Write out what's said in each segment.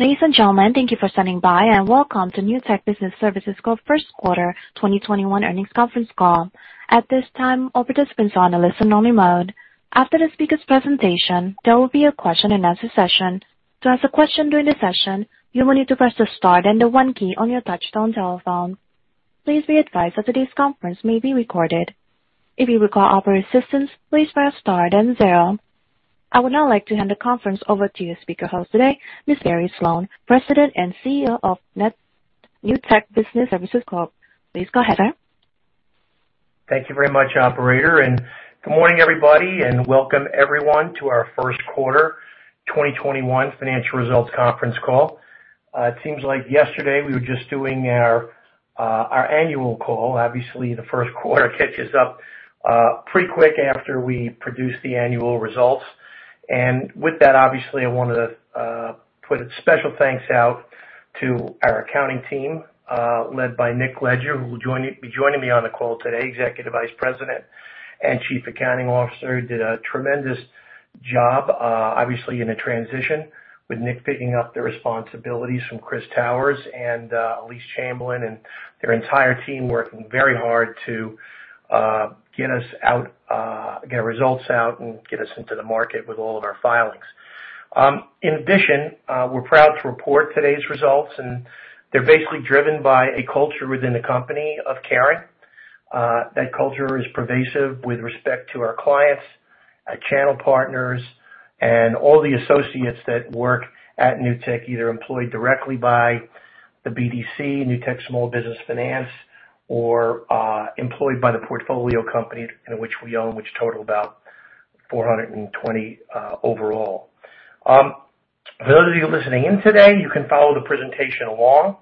Ladies and gentlemen, thank you for standing by, and welcome to Newtek Business Services Corp. first quarter 2021 earnings conference call. At this time, our participants are in listen-only mode. After the speaker's presentation, there will be a question and answer session. To ask a question during the session, you will need to press the star then the one key on your touch-tone telephone. Please be advised that today's conference may be recorded. If you require operator assistance, please press star then zero. I would now like to hand the conference over to your speaker host today, Mr. Barry Sloane, President and CEO of Newtek Business Services Corp. Please go ahead, sir. Thank you very much, operator, good morning, everybody, and welcome everyone to our first quarter 2021 financial results conference call. It seems like yesterday we were just doing our annual call. Obviously, the first quarter catches up pretty quick after we produce the annual results. With that, obviously, I want to put a special thanks out to our accounting team, led by Nick Leger, who will be joining me on the call today, Executive Vice President and Chief Accounting Officer. Did a tremendous job obviously in the transition with Nick picking up the responsibilities from Chris Towers and Elise Chamberlain, their entire team working very hard to get our results out and get us into the market with all of our filings. In addition, we're proud to report today's results, they're basically driven by a culture within the company of caring. That culture is pervasive with respect to our clients, our channel partners, and all the associates that work at Newtek, either employed directly by the BDC, Newtek Small Business Finance, or employed by the portfolio companies in which we own, which total about 420 overall. For those of you listening in today, you can follow the presentation along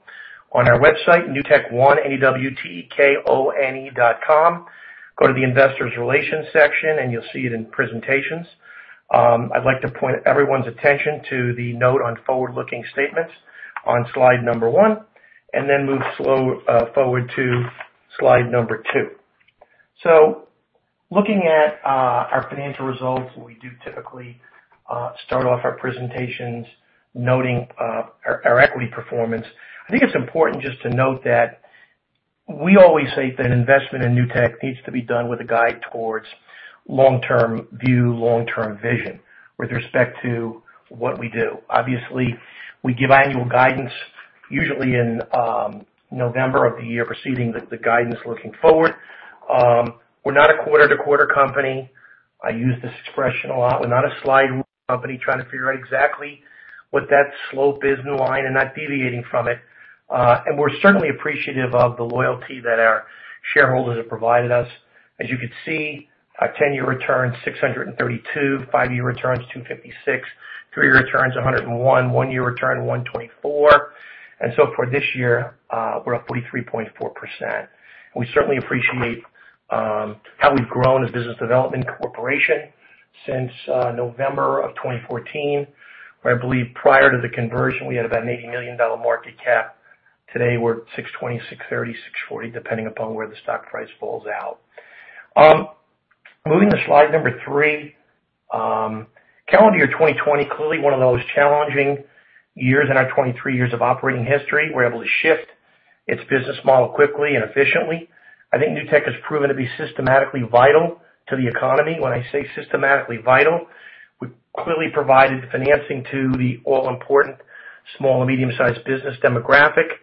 on our website, NewtekOne, n-e-w-t-e-k-o-n-e.com. Go to the Investor Relations section and you'll see it in presentations. I'd like to point everyone's attention to the note on forward-looking statements on slide number one. Move forward to slide number two. Looking at our financial results, we do typically start off our presentations noting our equity performance. I think it's important just to note that we always say that investment in Newtek needs to be done with a guide towards long-term view, long-term vision with respect to what we do. Obviously, we give annual guidance usually in November of the year preceding the guidance looking forward. We're not a quarter-to-quarter company. I use this expression a lot. We're not a slide rule company trying to figure out exactly what that slope is in the line and not deviating from it. We're certainly appreciative of the loyalty that our shareholders have provided us. As you could see, our 10-year return is 632%, five-year return is 256%, three-year return is 101%, one year return 124%. For this year, we're up 43.4%. We certainly appreciate how we've grown as Business Development Corporation since November of 2014, where I believe prior to the conversion, we had about an $80 million market cap. Today, we're $620 million, $630 million, $640 million, depending upon where the stock price falls out. Moving to slide number three. Calendar year 2020, clearly one of the most challenging years in our 23 years of operating history. We're able to shift its business model quickly and efficiently. I think Newtek has proven to be systematically vital to the economy. When I say systematically vital, we've clearly provided financing to the all-important small and medium-sized business demographic.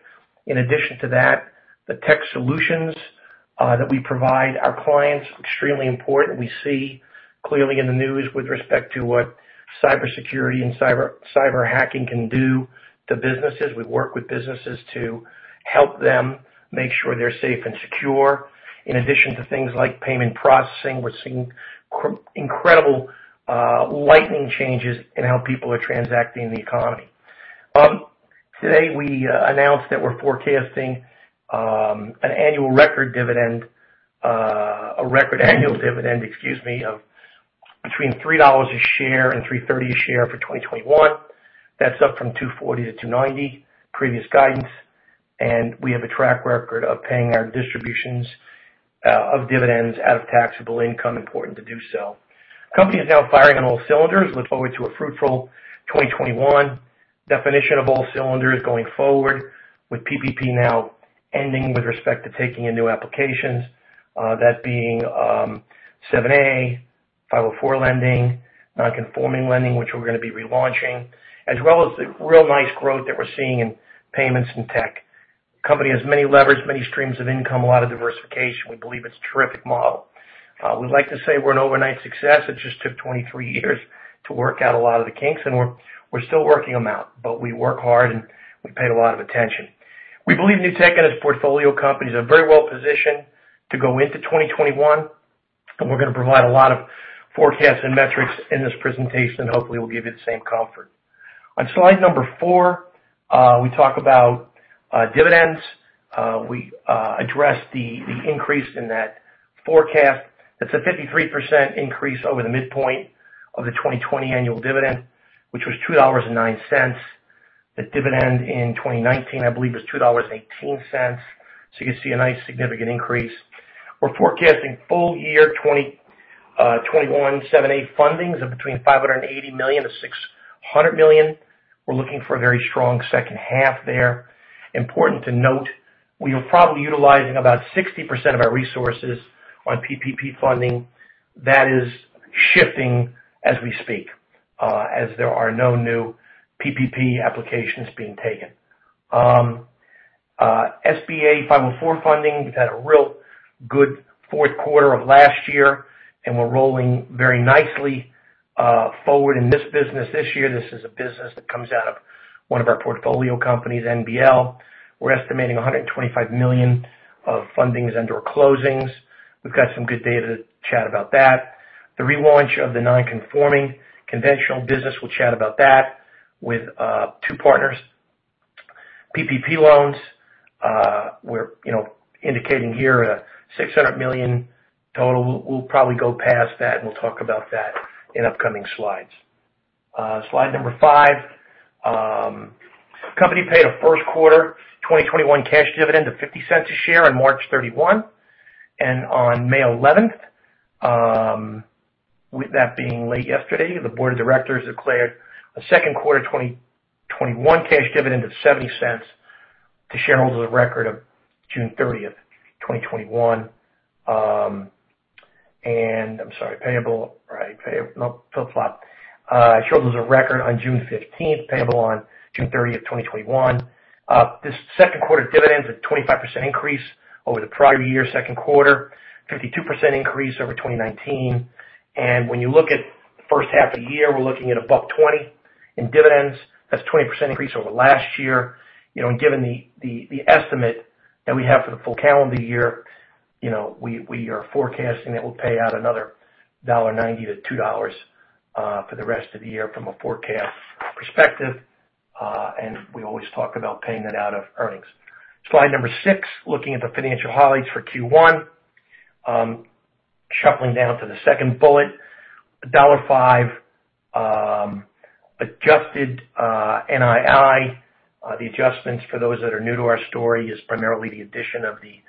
In addition to that, the tech solutions that we provide our clients are extremely important. We see clearly in the news with respect to what cybersecurity and cyber hacking can do to businesses. We work with businesses to help them make sure they're safe and secure. In addition to things like payment processing, we're seeing incredible lightning changes in how people are transacting the economy. Today, we announced that we're forecasting an annual record dividend. A record annual dividend, excuse me, of between $3 a share and $3.30 a share for 2021. That's up from $2.40-$2.90 previous guidance. We have a track record of paying our distributions of dividends out of taxable income. Important to do so. Company is now firing on all cylinders. Look forward to a fruitful 2021. Definition of all cylinders going forward with PPP now ending with respect to taking in new applications. That being 7(a), 504 lending, non-conforming lending, which we're going to be relaunching, as well as the real nice growth that we're seeing in payments and tech. Company has many levers, many streams of income, a lot of diversification. We believe it's a terrific model. We'd like to say we're an overnight success. It just took 23 years to work out a lot of the kinks, and we're still working them out, but we work hard, and we paid a lot of attention. We believe Newtek and its portfolio companies are very well-positioned to go into 2021, and we're going to provide a lot of forecasts and metrics in this presentation. Hopefully, we'll give you the same comfort. On slide number four, we talk about dividends. We address the increase in that forecast. That's a 53% increase over the midpoint of the 2020 annual dividend, which was $2.09. The dividend in 2019, I believe, was $2.18. You can see a nice significant increase. We're forecasting full-year 2021 7(a) fundings of between $580 million-$600 million. We're looking for a very strong second half there. Important to note, we are probably utilizing about 60% of our resources on PPP funding. That is shifting as we speak, as there are no new PPP applications being taken. SBA 504 funding, we've had a real good fourth quarter of last year, and we're rolling very nicely forward in this business this year. This is a business that comes out of one of our portfolio companies, NBL. We're estimating $125 million of fundings and/or closings. We've got some good data to chat about that. The relaunch of the non-conforming conventional business. We'll chat about that with two partners. PPP loans. We're indicating here $600 million total. We'll probably go past that. We'll talk about that in upcoming slides. Slide number five. Company paid a first quarter 2021 cash dividend of $0.50 a share on March 31. On May 11th, with that being late yesterday, the board of directors declared a second quarter 2021 cash dividend of $0.70 to shareholders of record of June 15th, payable on June 30th, 2021. This second quarter dividend is a 25% increase over the prior year second quarter, 52% increase over 2019. When you look at the first half of the year, we're looking at a $1.20 in dividends. That's 20% increase over last year. Given the estimate that we have for the full calendar year, we are forecasting that we'll pay out another $1.90-$2 for the rest of the year from a forecast perspective. We always talk about paying that out of earnings. Slide number six, looking at the financial highlights for Q1. Shuffling down to the second bullet. $1.05 adjusted NII. The adjustments for those that are new to our story is primarily the addition of the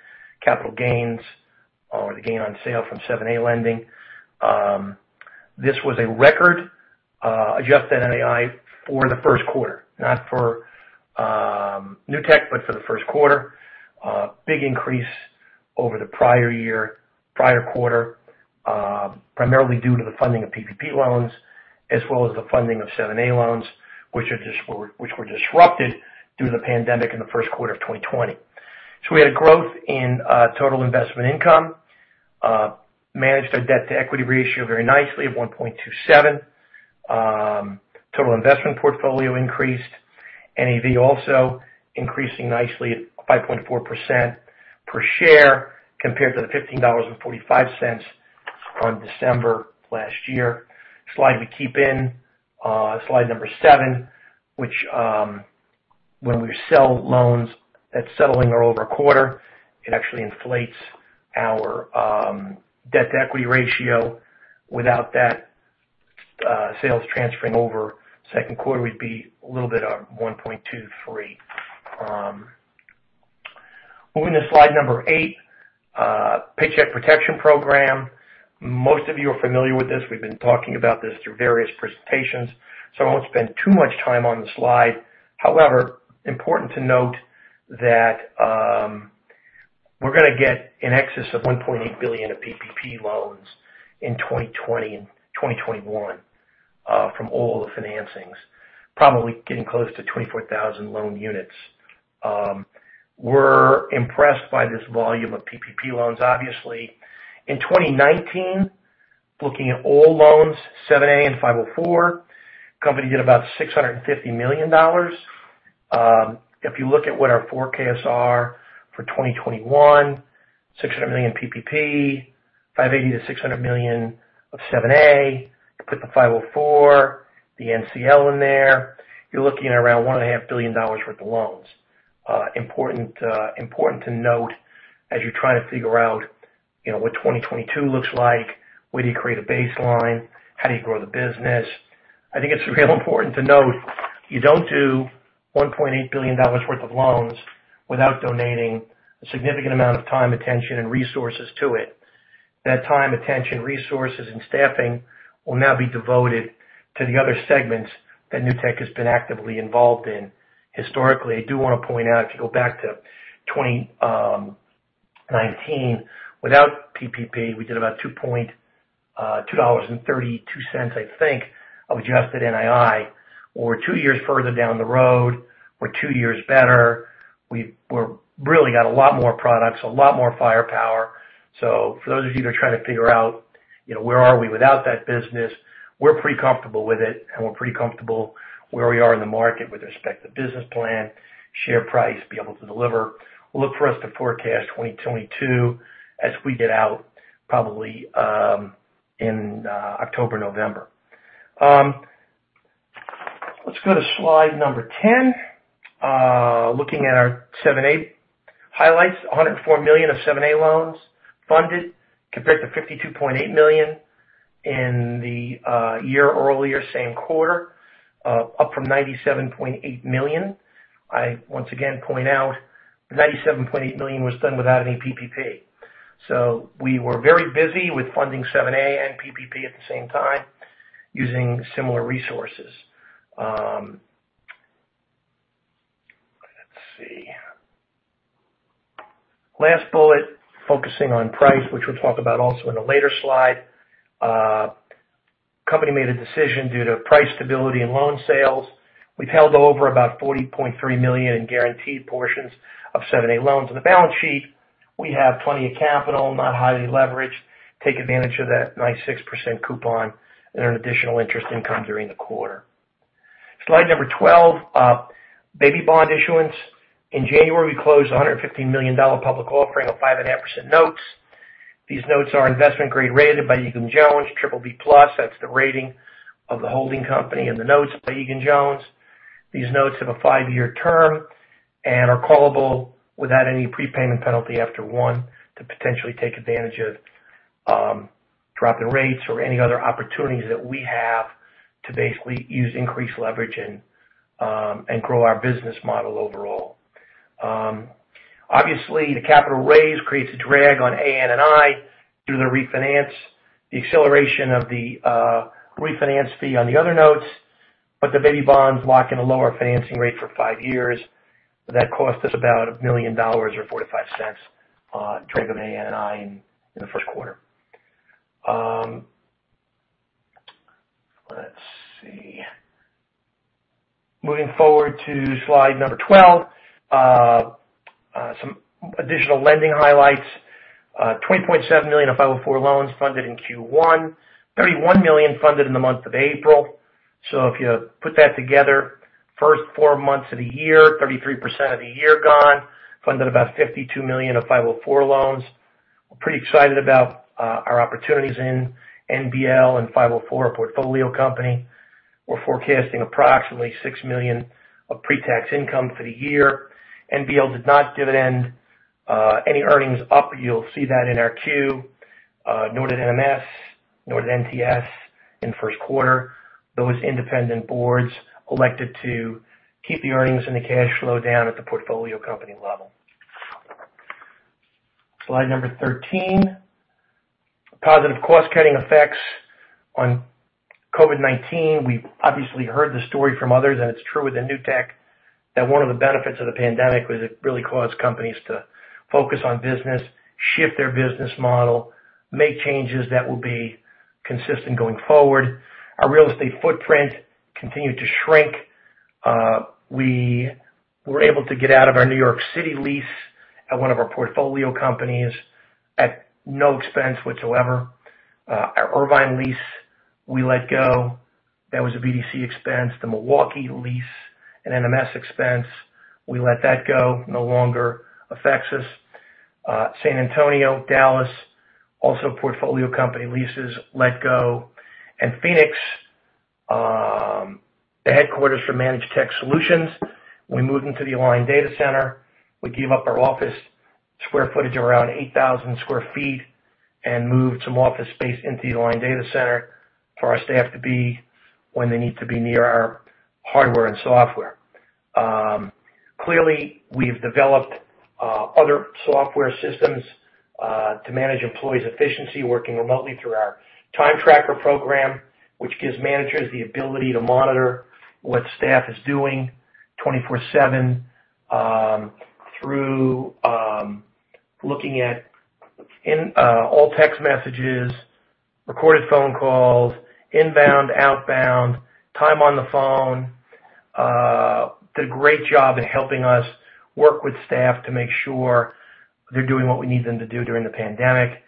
capital gains or the gain on sale from 7(a) lending. This was a record adjusted NII for the first quarter, not for Newtek, but for the first quarter. Big increase over the prior year, prior quarter, primarily due to the funding of PPP loans as well as the funding of 7(a) loans, which were disrupted due to the pandemic in the first quarter of 2020. We had growth in total investment income. Managed our debt-to-equity ratio very nicely at 1.27. Total investment portfolio increased. NAV also increasing nicely at 5.4% per share compared to the $15.45 on December last year. Slide we keep in, slide number seven, which when we sell loans that's settling over our quarter, it actually inflates our debt-to-equity ratio. Without that sales transferring over second quarter, we'd be a little bit of 1.23. Moving to slide number eight. Paycheck Protection Program. Most of you are familiar with this. We've been talking about this through various presentations, I won't spend too much time on the slide. Important to note that we're going to get in excess of $1.8 billion of PPP loans in 2020 and 2021 from all the financings. Probably getting close to 24,000 loan units. We're impressed by this volume of PPP loans, obviously. In 2019, looking at all loans, 7(a) and 504, company did about $650 million. You look at what our forecasts are for 2021, $600 million PPP, $580 million-$600 million of 7(a). You put the 504, the NCL in there, you're looking at around $1.5 billion worth of loans. Important to note as you're trying to figure out what 2022 looks like, where do you create a baseline? How do you grow the business? I think it's real important to note you don't do $1.8 billion worth of loans without donating a significant amount of time, attention, and resources to it. That time, attention, resources, and staffing will now be devoted to the other segments that Newtek has been actively involved in historically. I do want to point out, if you go back to 2019, without PPP, we did about $2.32, I think, of adjusted NII. We're two years further down the road. We're two years better. We've really got a lot more products, a lot more firepower. For those of you that are trying to figure out where are we without that business, we're pretty comfortable with it, and we're pretty comfortable where we are in the market with respect to business plan, share price, be able to deliver. Look for us to forecast 2022 as we get out probably in October, November. Let's go to slide number 10. Looking at our 7(a) highlights. $104 million of 7(a) loans funded compared to $52.8 million in the year earlier, same quarter. Up from $97.8 million. I once again point out $97.8 million was done without any PPP. We were very busy with funding 7(a) and PPP at the same time using similar resources. Let's see. Last bullet, focusing on price, which we'll talk about also in a later slide. Company made a decision due to price stability and loan sales. We've held over about $40.3 million in guaranteed portions of 7(a) loans on the balance sheet. We have plenty of capital, not highly leveraged. Take advantage of that 96% coupon and earn additional interest income during the quarter. Slide number 12, baby bond issuance. In January, we closed $115 million public offering of 5.5% notes. These notes are investment-grade rated by Egan-Jones BBB+. That's the rating of the holding company and the notes by Egan-Jones. These notes have a five-year term and are callable without any prepayment penalty after one to potentially take advantage of drop in rates or any other opportunities that we have to basically use increased leverage and grow our business model overall. Obviously, the capital raise creates a drag on ANII through the refinance, the acceleration of the refinance fee on the other notes, but the baby bonds lock in a lower financing rate for five years. That cost us about $1 million or $0.45 on trade of ANII in the first quarter. Let's see. Moving forward to slide number 12. Some additional lending highlights. $20.7 million of 504 loans funded in Q1. $31 million funded in the month of April. First four months of the year, 33% of the year gone, funded about $52 million of 504 loans. We're pretty excited about our opportunities in NBL and 504 portfolio company. We're forecasting approximately $6 million of pre-tax income for the year. NBL did not dividend any earnings up. You'll see that in our Q. Nor did NMS, nor did NTS in the first quarter. Those independent boards elected to keep the earnings and the cash flow down at the portfolio company level. Slide number 13. Positive cost-cutting effects on COVID-19. We've obviously heard the story from others, and it's true with the Newtek, that one of the benefits of the pandemic was it really caused companies to focus on business, shift their business model, make changes that will be consistent going forward. Our real estate footprint continued to shrink. We were able to get out of our New York City lease at one of our portfolio companies at no expense whatsoever. Our Irvine lease, we let go. That was a BDC expense. The Milwaukee lease, an NMS expense. We let that go. No longer affects us. San Antonio, Dallas, also portfolio company leases let go. Phoenix, the headquarters for Newtek Technology Solutions. We moved into the Aligned Data Center. We gave up our office square footage of around 8,000 sq ft and moved some office space into the Aligned Data Center for our staff to be when they need to be near our hardware and software. Clearly, we've developed other software systems to manage employees' efficiency working remotely through our Time Tracker program, which gives managers the ability to monitor what staff is doing 24/7 through looking at all text messages, recorded phone calls, inbound, outbound, time on the phone. Did a great job at helping us work with staff to make sure they're doing what we need them to do during the pandemic.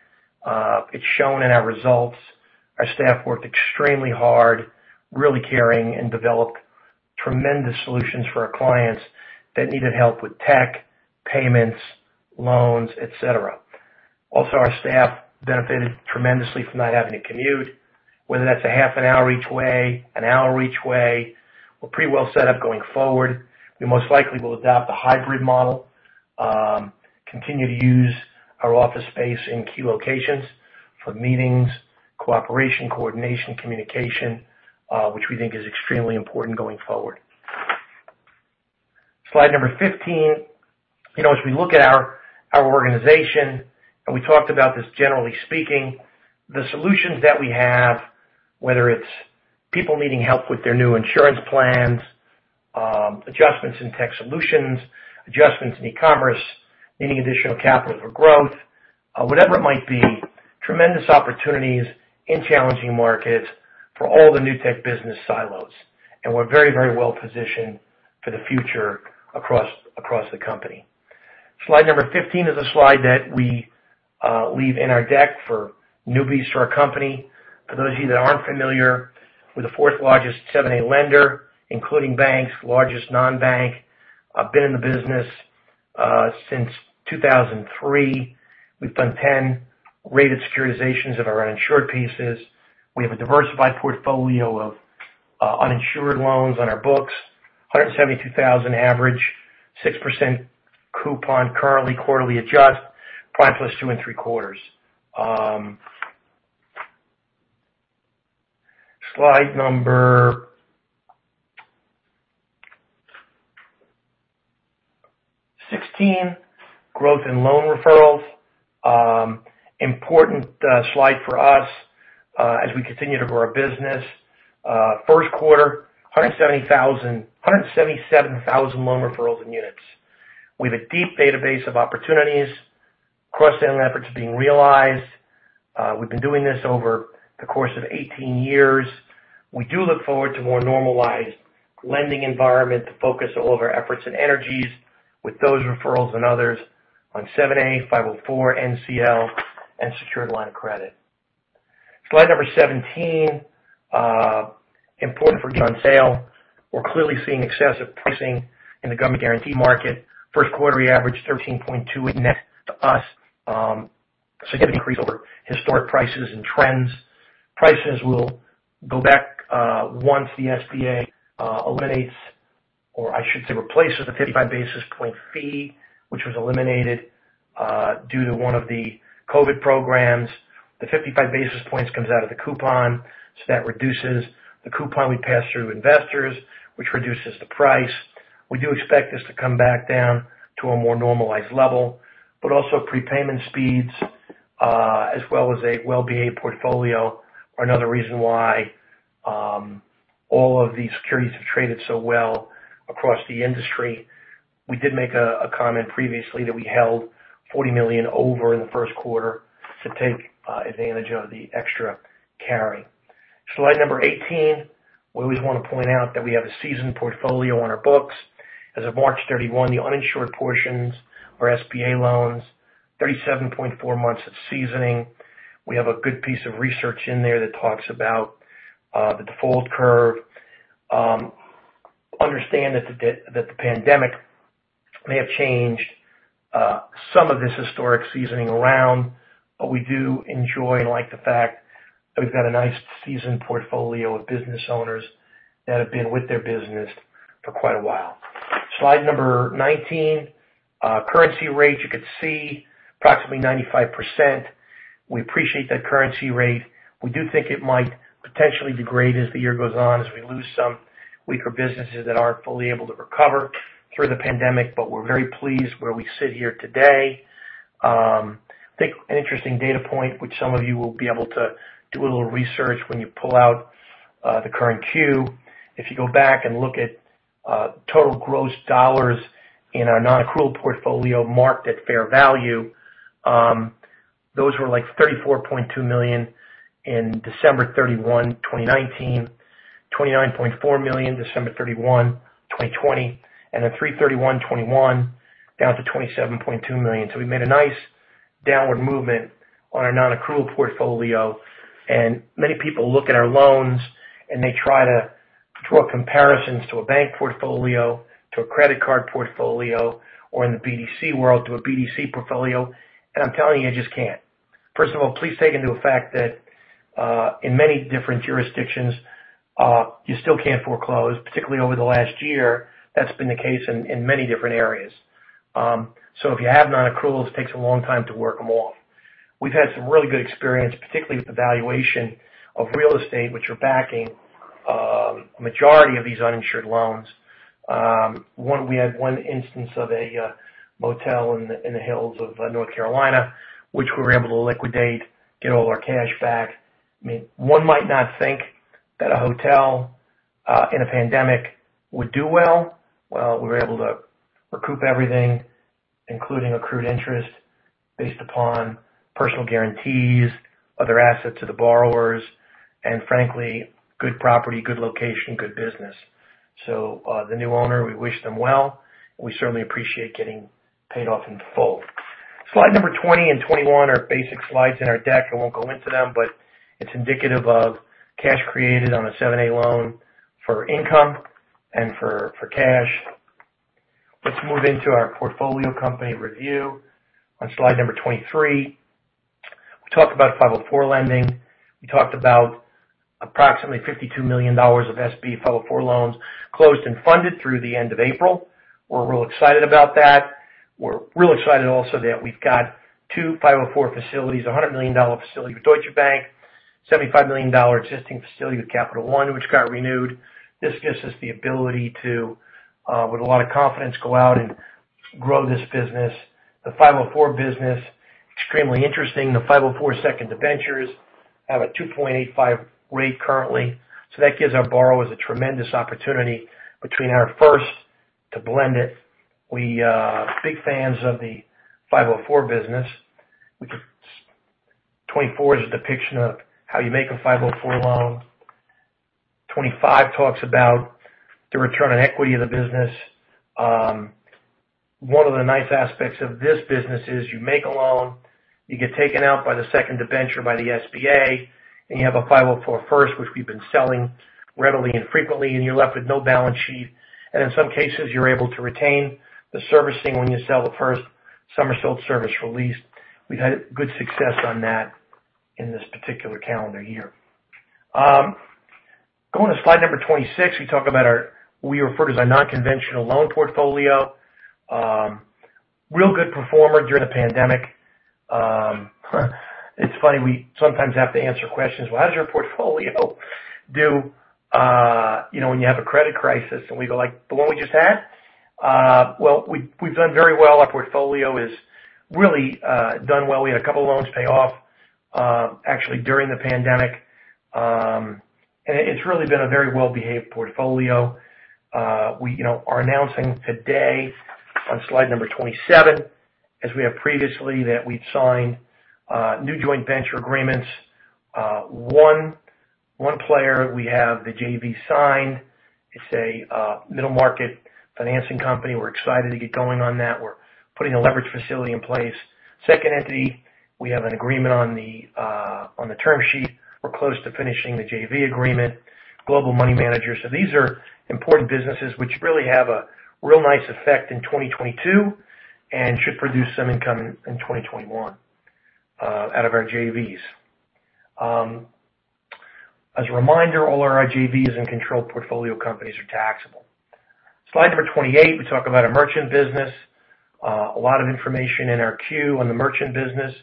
It's shown in our results. Our staff worked extremely hard, really caring, and developed tremendous solutions for our clients that needed help with tech, payments, loans, et cetera. Our staff benefited tremendously from not having to commute, whether that's a half an hour each way, an hour each way. We're pretty well set up going forward. We most likely will adopt a hybrid model. Continue to use our office space in key locations for meetings, cooperation, coordination, communication which we think is extremely important going forward. Slide number 15. As we look at our organization, we talked about this generally speaking, the solutions that we have, whether it's people needing help with their new insurance plans, adjustments in tech solutions, adjustments in e-commerce, needing additional capital for growth, whatever it might be, tremendous opportunities in challenging markets for all the Newtek business silos. We're very well-positioned for the future across the company. Slide number 15 is a slide that we leave in our deck for newbies to our company. For those of you that aren't familiar, we're the fourth largest 7(a) lender, including banks, largest non-bank. I've been in the business since 2003. We've done 10 rated securitizations of our insured pieces. We have a diversified portfolio of uninsured loans on our books, 172,000 average, 6% coupon currently quarterly adjust, five plus two and three quarters. Slide number 16. Growth in loan referrals. Important slide for us as we continue to grow our business. First quarter, 177,000 loan referrals in units. We have a deep database of opportunities, cross-selling efforts being realized. We've been doing this over the course of 18 years. We do look forward to more normalized lending environment to focus all of our efforts and energies with those referrals and others on 7(a), 504, NCL, and secured line of credit. Slide number 17. Important for loan sale. We're clearly seeing excessive pricing in the government guarantee market. First quarterly average, 13.2% in net to us. Significant increase over historic prices and trends. Prices will go back once the SBA eliminates, or I should say, replaces the 55 basis point fee, which was eliminated due to one of the COVID programs. That reduces the coupon we pass through to investors, which reduces the price. We do expect this to come back down to a more normalized level. Also prepayment speeds, as well as a whole SBA portfolio, are another reason why all of these securities have traded so well across the industry. We did make a comment previously that we held $40 million over in the first quarter to take advantage of the extra carry. Slide number 18. We always want to point out that we have a seasoned portfolio on our books. As of March 31, the uninsured portions or SBA loans, 37.4 months of seasoning. We have a good piece of research in there that talks about the default curve. Understand that the pandemic may have changed some of this historic seasoning around, we do enjoy and like the fact that we've got a nice seasoned portfolio of business owners that have been with their business for quite a while. Slide number 19. Currency rates. You could see approximately 95%. We appreciate that currency rate. We do think it might potentially degrade as the year goes on, as we lose some weaker businesses that aren't fully able to recover through the pandemic. We're very pleased where we sit here today. I think an interesting data point, which some of you will be able to do a little research when you pull out the current Q. If you go back and look at total gross dollars in our non-accrual portfolio marked at fair value, those were like $34.2 million in December 31, 2019, $29.4 million December 31, 2020, and then March 31, 2021, down to $27.2 million. We made a nice downward movement on our non-accrual portfolio. Many people look at our loans and they try to draw comparisons to a bank portfolio, to a credit card portfolio, or in the BDC world to a BDC portfolio. I'm telling you just can't. First of all, please take into account the fact that in many different jurisdictions, you still can't foreclose, particularly over the last year, that's been the case in many different areas. If you have non-accruals, it takes a long time to work them off. We've had some really good experience, particularly with the valuation of real estate which are backing a majority of these uninsured loans. We had one instance of a motel in the hills of North Carolina, which we were able to liquidate, get all our cash back. One might not think that a hotel in a pandemic would do well. Well, we were able to recoup everything, including accrued interest based upon personal guarantees, other assets of the borrowers, and frankly, good property, good location, good business. The new owner, we wish them well. We certainly appreciate getting paid off in full. Slide number 20 and 21 are basic slides in our deck. I won't go into them, but it's indicative of cash created on a 7(a) loan for income and for cash. Let's move into our portfolio company review on slide number 23. We talked about 504 lending. We talked about approximately $52 million of SBA 504 loans closed and funded through the end of April. We're real excited about that. We're real excited also that we've got two 504 facilities, $100 million facility with Deutsche Bank, $75 million existing facility with Capital One, which got renewed. This gives us the ability to, with a lot of confidence, go out and grow this business. The 504 business, extremely interesting. The 504 second debentures have a 2.85 rate currently. That gives our borrowers a tremendous opportunity between our first to blend it. We are big fans of the 504 business. 24 is a depiction of how you make a 504 loan. 25 talks about the return on equity of the business. One of the nice aspects of this business is you make a loan, you get taken out by the second debenture by the SBA, and you have a 504 first, which we've been selling readily and frequently, and you're left with no balance sheet. In some cases, you're able to retain the servicing when you sell the first, some are sold servicing released. We've had good success on that in this particular calendar year. Going to slide number 26, we talk about what we refer to as our non-conventional loan portfolio. Real good performer during the pandemic. It's funny, we sometimes have to answer questions. "Well, how does your portfolio do when you have a credit crisis?" We go like, "The one we just had?" Well, we've done very well. Our portfolio has really done well. We had a couple of loans pay off actually during the pandemic. It's really been a very well-behaved portfolio. We are announcing today on slide number 27, as we have previously, that we've signed new joint venture agreements. One player we have the JV signed. It's a middle-market financing company. We're excited to get going on that. We're putting a leverage facility in place. Second entity, we have an agreement on the term sheet. We're close to finishing the JV agreement. Global money manager. These are important businesses which really have a real nice effect in 2022 and should produce some income in 2021 out of our JVs. As a reminder, all our JVs and control portfolio companies are taxable. Slide number 28, we talk about our merchant business. A lot of information in our Q on the merchant business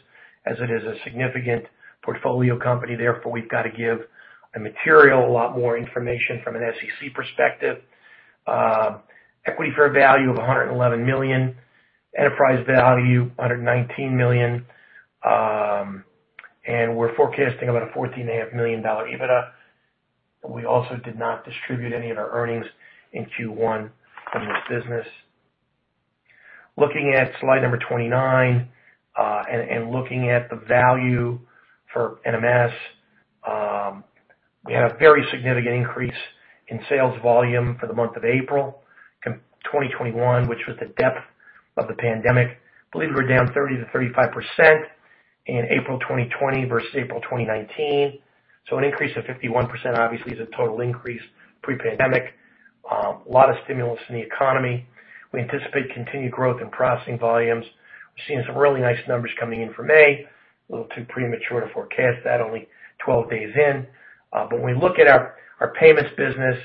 as it is a significant portfolio company, therefore we've got to give a material a lot more information from an SEC perspective. Equity fair value of $111 million. Enterprise value, $119 million. We're forecasting about a $14.5 million EBITDA. We also did not distribute any of our earnings in Q1 from this business. Looking at slide number 29, and looking at the value for NMS. We had a very significant increase in sales volume for the month of April 2021, which was the depth of the pandemic. Believe we were down 30%-35% in April 2020 versus April 2019. An increase of 51% obviously is a total increase pre-pandemic. A lot of stimulus in the economy. We anticipate continued growth in processing volumes. We're seeing some really nice numbers coming in from May. A little too premature to forecast that, only 12 days in. When we look at our payments business,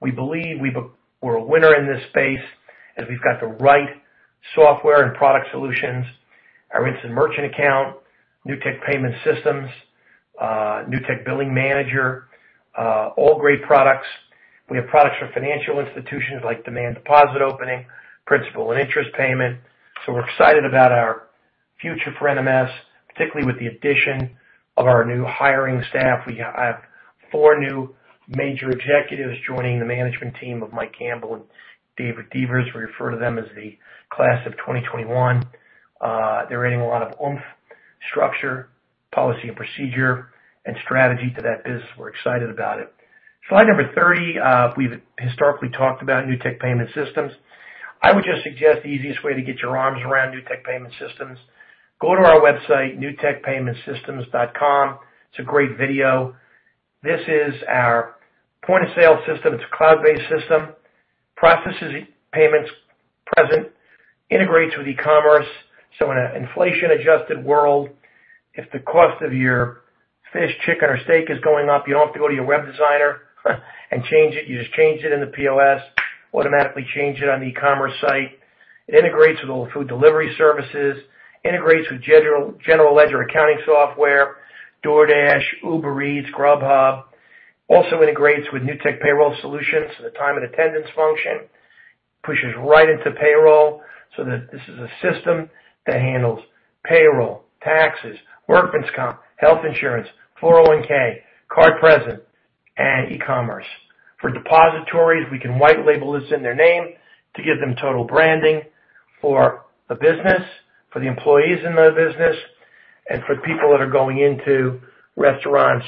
we believe we're a winner in this space as we've got the right software and product solutions. Our Instant Merchant Account, Newtek Payment Systems, Newtek Billing Manager, all great products. We have products for financial institutions like demand deposit opening, principal and interest payment. We're excited about our future for NMS, particularly with the addition of our new hiring staff. We have four new major executives joining the management team of Mike Campbell and David Devers. We refer to them as the class of 2021. They're adding a lot of oomph, structure, policy and procedure, and strategy to that business. We're excited about it. Slide number 30. We've historically talked about Newtek Payment Systems. I would just suggest the easiest way to get your arms around Newtek Payment Systems, go to our website, newtekpaymentsystems.com. It's a great video. This is our point-of-sale system. It's a cloud-based system, processes payments present, integrates with e-commerce. In an inflation-adjusted world, if the cost of your fish, chicken, or steak is going up, you don't have to go to your web designer and change it. You just change it in the POS, automatically change it on the e-commerce site. It integrates with all food delivery services, integrates with general ledger accounting software, DoorDash, Uber Eats, Grubhub. Also integrates with Newtek Payroll Solutions, so the time and attendance function pushes right into payroll. This is a system that handles payroll, taxes, workman's comp, health insurance, 401, card present, and e-commerce. For depositories, we can white label this in their name to give them total branding for the business, for the employees in the business, and for people that are going into restaurants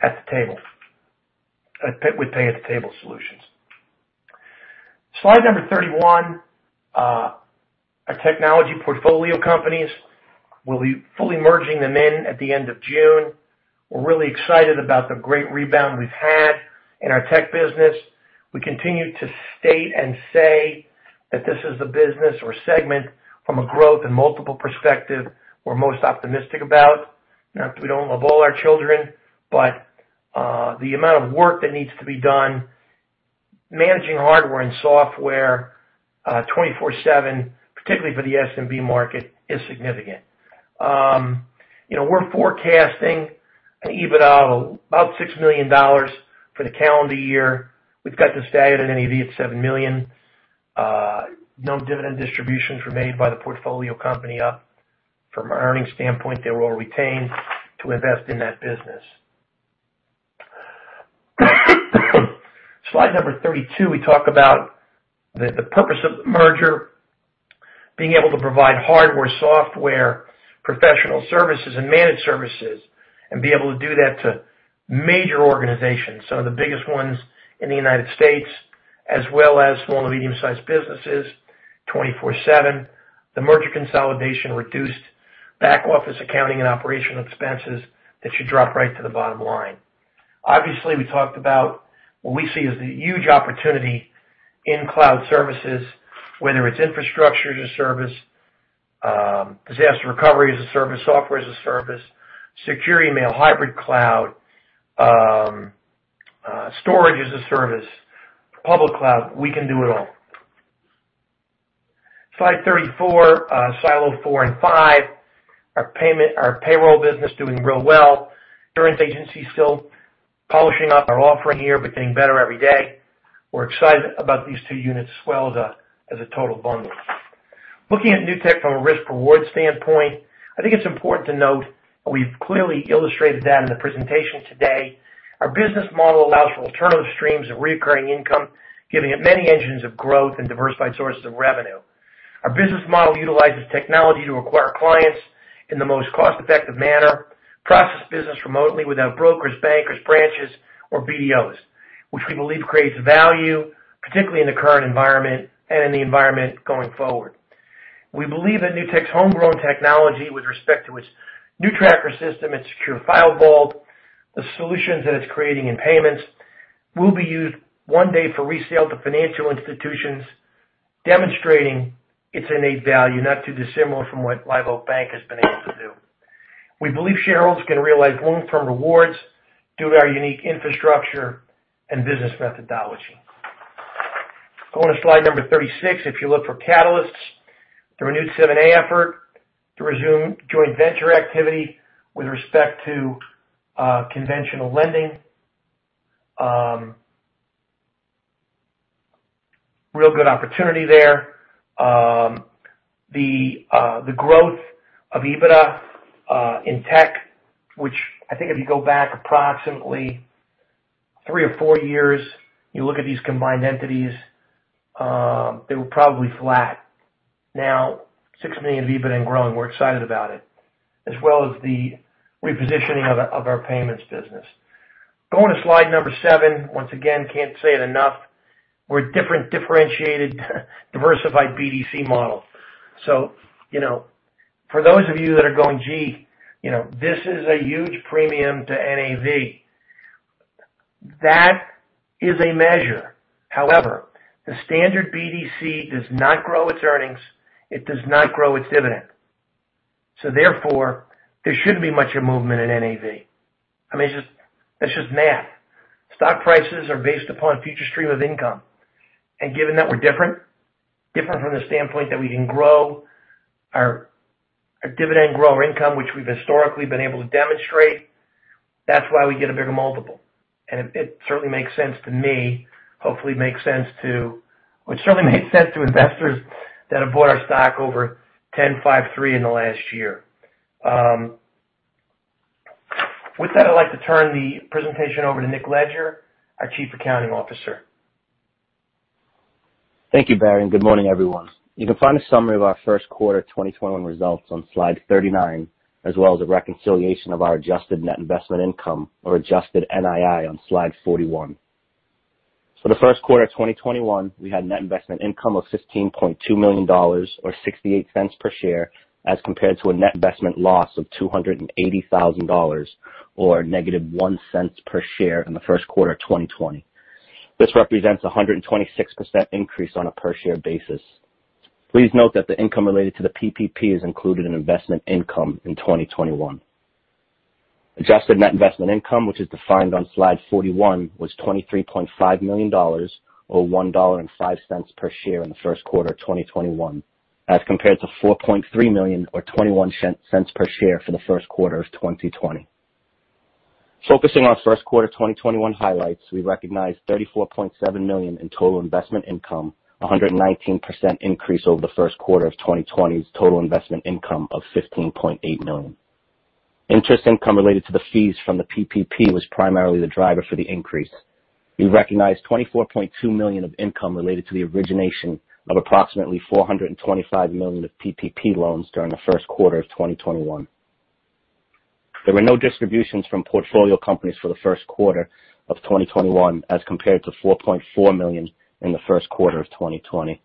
at the table. With pay at the table solutions. Slide number 31. Our technology portfolio companies. We'll be fully merging them in at the end of June. We're really excited about the great rebound we've had in our tech business. We continue to state and say that this is the business or segment from a growth and multiple perspective we're most optimistic about. Not that we don't love all our children, but the amount of work that needs to be done managing hardware and software 24/7, particularly for the SMB market, is significant. We're forecasting an EBITDA of about $6 million for the calendar year. We've got the stated NAV at $7 million. No dividend distributions were made by the portfolio company up from our earnings standpoint. They were all retained to invest in that business. Slide number 32, we talk about the purpose of the merger. Being able to provide hardware, software, professional services, and managed services, and be able to do that to major organizations, some of the biggest ones in the U.S., as well as small to medium-sized businesses 24/7. The merger consolidation reduced back office accounting and operational expenses that should drop right to the bottom line. Obviously, we talked about what we see as the huge opportunity in cloud services, whether it's infrastructure as a service, disaster recovery as a service, software as a service, secure email, hybrid cloud, storage as a service, public cloud. We can do it all. Slide 34, silo four and five. Our payroll business doing real well. Insurance agency still polishing up our offering here, but getting better every day. We're excited about these two units as well as a total bundle. Looking at Newtek from a risk-reward standpoint, I think it's important to note, and we've clearly illustrated that in the presentation today. Our business model allows for alternative streams of reoccurring income, giving it many engines of growth and diversified sources of revenue. Our business model utilizes technology to acquire clients in the most cost-effective manner, process business remotely without brokers, bankers, branches, or BDOs, which we believe creates value, particularly in the current environment and in the environment going forward. We believe that Newtek's homegrown technology with respect to its NewTracker system, its secure file vault, the solutions that it's creating in payments, will be used one day for resale to financial institutions, demonstrating its innate value, not too dissimilar from what Live Oak Bank has been able to do. We believe shareholders can realize long-term rewards due to our unique infrastructure and business methodology. Going to slide number 36. If you look for catalysts through a new 7(a) effort to resume joint venture activity with respect to conventional lending. Real good opportunity there. The growth of EBITDA in tech, which I think if you go back approximately three or four years, you look at these combined entities, they were probably flat. Now, $6 million of EBITDA and growing. We're excited about it. As well as the repositioning of our payments business. Going to slide number 37. Once again, can't say it enough. We're a differentiated, diversified BDC model. For those of you that are going, "Gee, this is a huge premium to NAV." That is a measure. However, the standard BDC does not grow its earnings. It does not grow its dividend. Therefore, there shouldn't be much of a movement in NAV. That's just math. Stock prices are based upon future stream of income. Given that we're different from the standpoint that we can grow our dividend, grow our income, which we've historically been able to demonstrate, that's why we get a bigger multiple. It certainly makes sense to me. Well, it certainly makes sense to investors that have bought our stock over 10, five, three in the last year. With that, I'd like to turn the presentation over to Nick Leger, our Chief Accounting Officer. Thank you, Barry, and good morning, everyone. You can find a summary of our first quarter 2021 results on slide 39, as well as a reconciliation of our adjusted net investment income or adjusted NII on slide 41. For the first quarter of 2021, we had net investment income of $15.2 million or $0.68 per share as compared to a net investment loss of $280,000 or negative $0.01 per share in the first quarter of 2020. This represents 126% increase on a per-share basis. Please note that the income related to the PPP is included in investment income in 2021. Adjusted net investment income, which is defined on slide 41, was $23.5 million, or $1.05 per share in the first quarter of 2021, as compared to $4.3 million or $0.21 per share for the first quarter of 2020. Focusing on first quarter 2021 highlights, we recognized $34.7 million in total investment income, 119% increase over the first quarter of 2020's total investment income of $15.8 million. Interest income related to the fees from the PPP was primarily the driver for the increase. We recognized $24.2 million of income related to the origination of approximately $425 million of PPP loans during the first quarter of 2021. There were no distributions from portfolio companies for the first quarter of 2021 as compared to $4.4 million in the first quarter of 2020.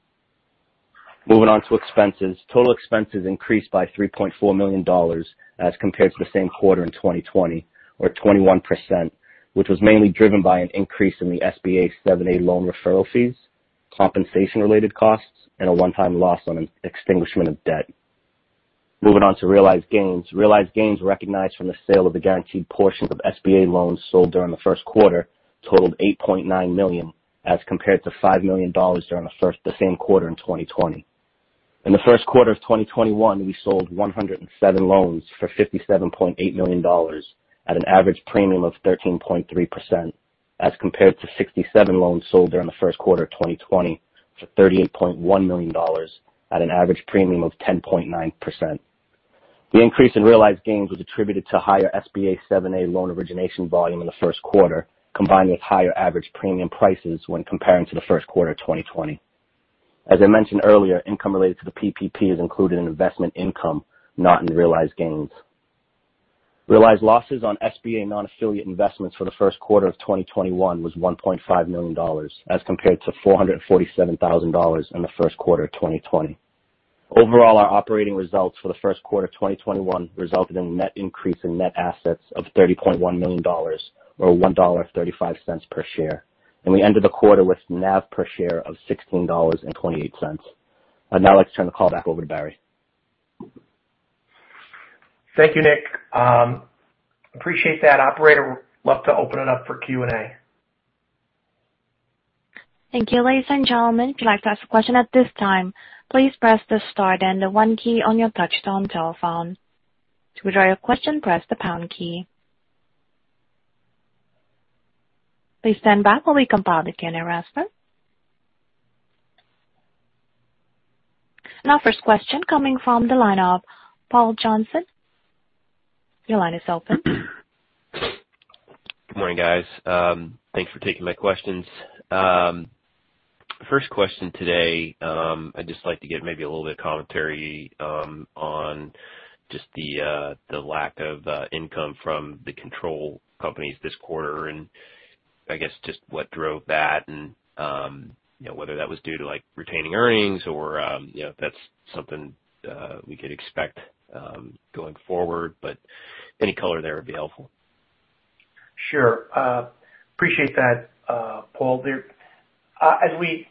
Moving on to expenses. Total expenses increased by $3.4 million as compared to the same quarter in 2020 or 21%, which was mainly driven by an increase in the SBA 7(a) loan referral fees, compensation related costs, and a one-time loss on an extinguishment of debt. Moving on to realized gains. Realized gains recognized from the sale of the guaranteed portion of SBA loans sold during the first quarter totaled $8.9 million as compared to $5 million during the same quarter in 2020. In the first quarter of 2021, we sold 107 loans for $57.8 million at an average premium of 13.3%, as compared to 67 loans sold during the first quarter of 2020 for $38.1 million at an average premium of 10.9%. The increase in realized gains was attributed to higher SBA 7(a) loan origination volume in the first quarter, combined with higher average premium prices when comparing to the first quarter of 2020. As I mentioned earlier, income related to the PPP is included in investment income, not in realized gains. Realized losses on SBA non-affiliate investments for the first quarter of 2021 was $1.5 million as compared to $447,000 in the first quarter of 2020. Overall, our operating results for the first quarter of 2021 resulted in a net increase in net assets of $30.1 million, or $1.35 per share, and we ended the quarter with NAV per share of $16.28. Let's turn the call back over to Barry. Thank you, Nick. Appreciate that. Operator, love to open it up for Q&A. Thank you, ladies and gentlemen. If you'd like to ask a question at this time, please press the star then the one key on your touch-tone telephone. To withdraw your question, press the pound key. Please stand by while we compile the queue in earnest. Now, first question coming from the line of Paul Johnson. Your line is open. Good morning, guys. Thanks for taking my questions. First question today. I'd just like to get maybe a little bit of commentary on just the lack of income from the control companies this quarter, and I guess just what drove that and whether that was due to retaining earnings or if that's something we could expect going forward. Any color there would be helpful. Sure. Appreciate that, Paul. We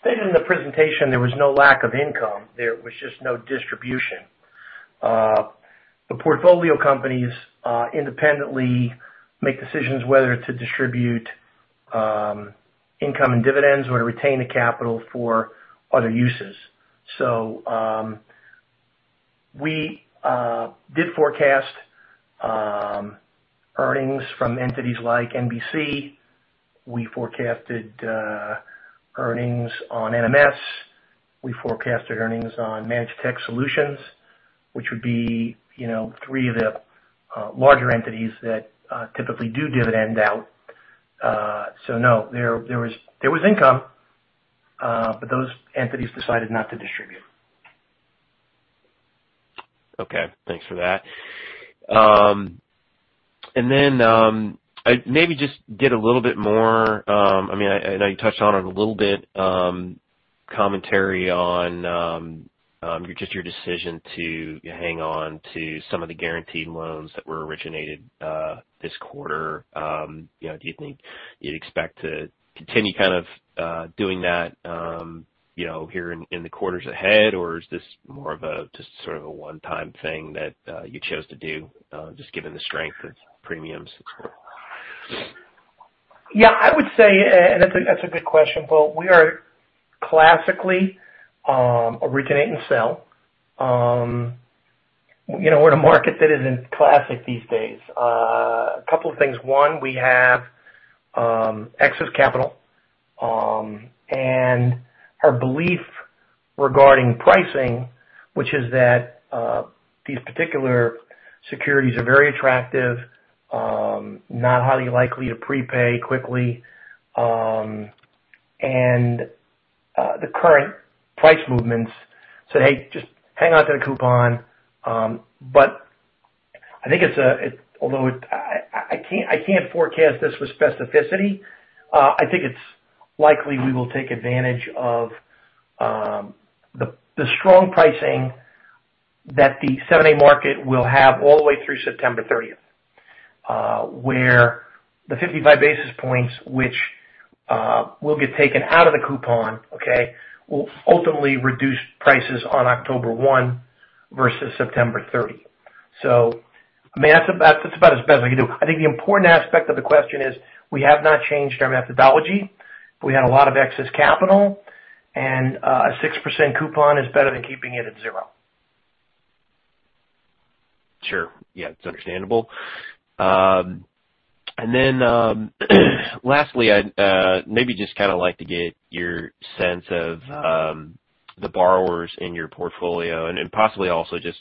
stated in the presentation, there was no lack of income. There was just no distribution. The portfolio companies independently make decisions whether to distribute income and dividends or to retain the capital for other uses. We did forecast earnings from entities like NBL. We forecasted earnings on NMS. We forecasted earnings on Newtek Technology Solutions, which would be three of the larger entities that typically do dividend out. No, there was income, but those entities decided not to distribute. Okay. Thanks for that. Maybe just get a little bit more, I know you touched on it a little bit, commentary on just your decision to hang on to some of the guaranteed loans that were originated this quarter. Do you think you'd expect to continue kind of doing that here in the quarters ahead, or is this more of a just sort of a one-time thing that you chose to do just given the strength of premiums? Yeah, I would say, and that's a good question, Paul. We are classically originate and sell. We're in a market that isn't classic these days. A couple of things. One, we have excess capital and our belief regarding pricing, which is that these particular securities are very attractive, not highly likely to prepay quickly. The current price movements said, "Hey, just hang on to the coupon." I think although I can't forecast this with specificity, I think it's likely we will take advantage of the strong pricing that the 7(a) market will have all the way through September 30th. Where the 55 basis points which will get taken out of the coupon, okay, will ultimately reduce prices on October 1 versus September 30. That's about as best I can do. I think the important aspect of the question is we have not changed our methodology. We had a lot of excess capital, and a 6% coupon is better than keeping it at zero. Sure. Yeah, it's understandable. Lastly, I'd maybe just like to get your sense of the borrowers in your portfolio and possibly also just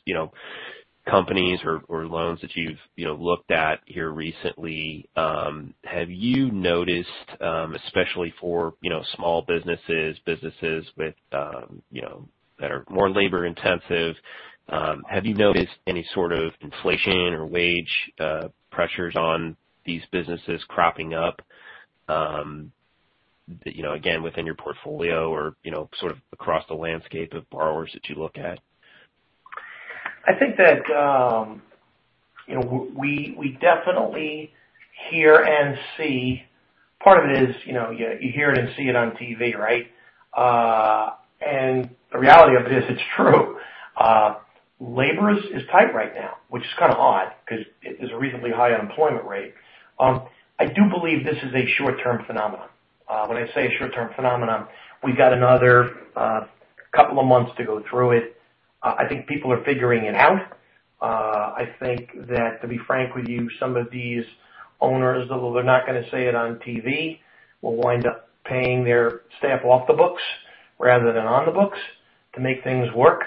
companies or loans that you've looked at here recently. Have you noticed, especially for small businesses that are more labor intensive, have you noticed any sort of inflation or wage pressures on these businesses cropping up, again, within your portfolio or sort of across the landscape of borrowers that you look at? I think that we definitely hear and see. Part of it is you hear it and see it on TV, right? The reality of it is it's true. Labor is tight right now, which is kind of odd because there's a reasonably high unemployment rate. I do believe this is a short-term phenomenon. When I say a short-term phenomenon, we got another couple of months to go through it. I think people are figuring it out. I think that, to be frank with you, some of these owners, although they're not going to say it on TV, will wind up paying their staff off the books rather than on the books to make things work.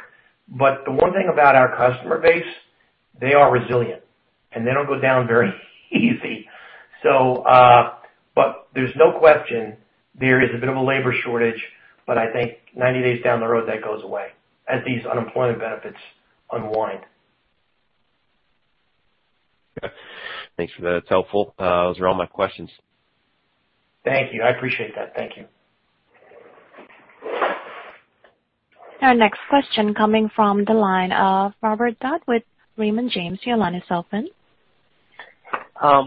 The one thing about our customer base, they are resilient, and they don't go down very easy. There's no question there is a bit of a labor shortage, but I think 90 days down the road, that goes away as these unemployment benefits unwind. Thanks for that. It is helpful. Those are all my questions. Thank you. I appreciate that. Thank you. Our next question coming from the line of Robert Dodd with Raymond James. Your line is open.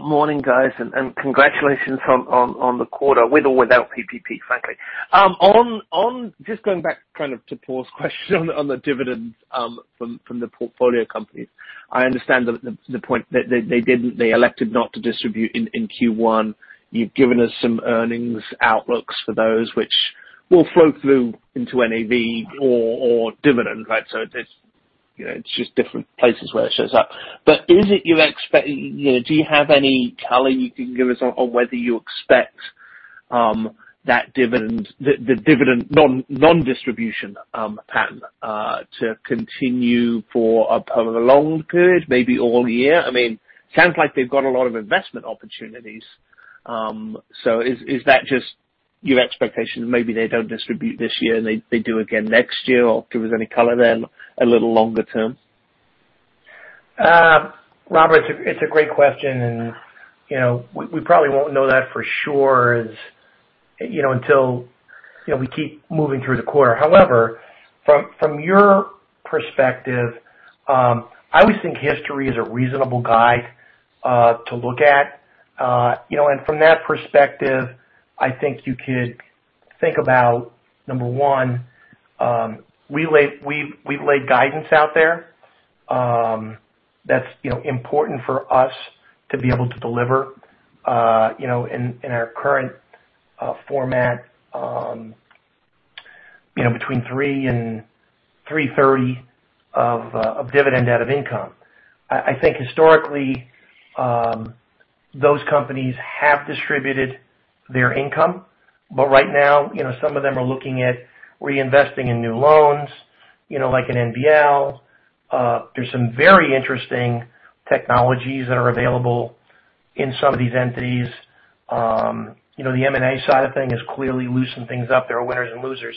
Morning, guys. Congratulations on the quarter with or without PPP, frankly. Just going back kind of to Paul's question on the dividends from the portfolio companies. I understand the point that they elected not to distribute in Q1. You've given us some earnings outlooks for those which will flow through into NAV or dividends. It's just different places where it shows up. Do you have any color you can give us on whether you expect the dividend non-distribution pattern to continue for a long period, maybe all year? Sounds like they've got a lot of investment opportunities. Is that just your expectation? Maybe they don't distribute this year and they do again next year, or give us any color then a little longer term. Robert, it's a great question, and we probably won't know that for sure until we keep moving through the quarter. However, from your perspective, I always think history is a reasonable guide to look at. From that perspective, I think you could think about, number one, we've laid guidance out there. That's important for us to be able to deliver in our current format between $3 and $3.30 of dividend out of income. I think historically, those companies have distributed their income. Right now, some of them are looking at reinvesting in new loans, like an NBL. There's some very interesting technologies that are available in some of these entities. The M&A side of things has clearly loosened things up. There are winners and losers.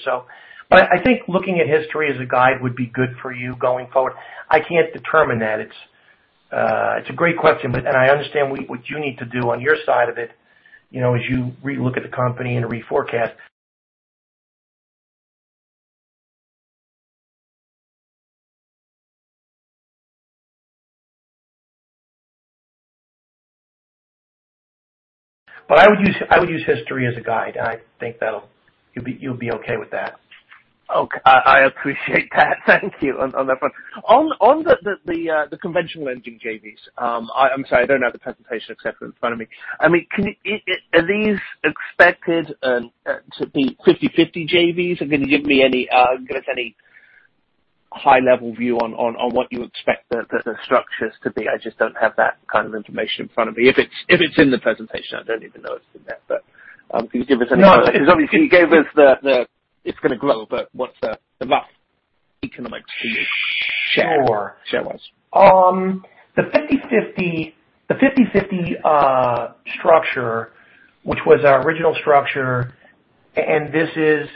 I think looking at history as a guide would be good for you going forward. I can't determine that. It's a great question, and I understand what you need to do on your side of it, as you relook at the company and reforecast. I would use history as a guide. I think you'll be okay with that. Okay. I appreciate that. Thank you on that front. On the conventional lending JVs. I'm sorry, I don't have the presentation, et cetera, in front of me. Are these expected to be 50/50 JVs? Are you going to give us any high-level view on what you expect the structures to be? I just don't have that kind of information in front of me. If it's in the presentation, I don't even know it's in there. Can you give us any color? Because obviously you gave us the it's going to grow, but what's the rough economics share wise? Sure. The 50/50 structure, which was our original structure, and this is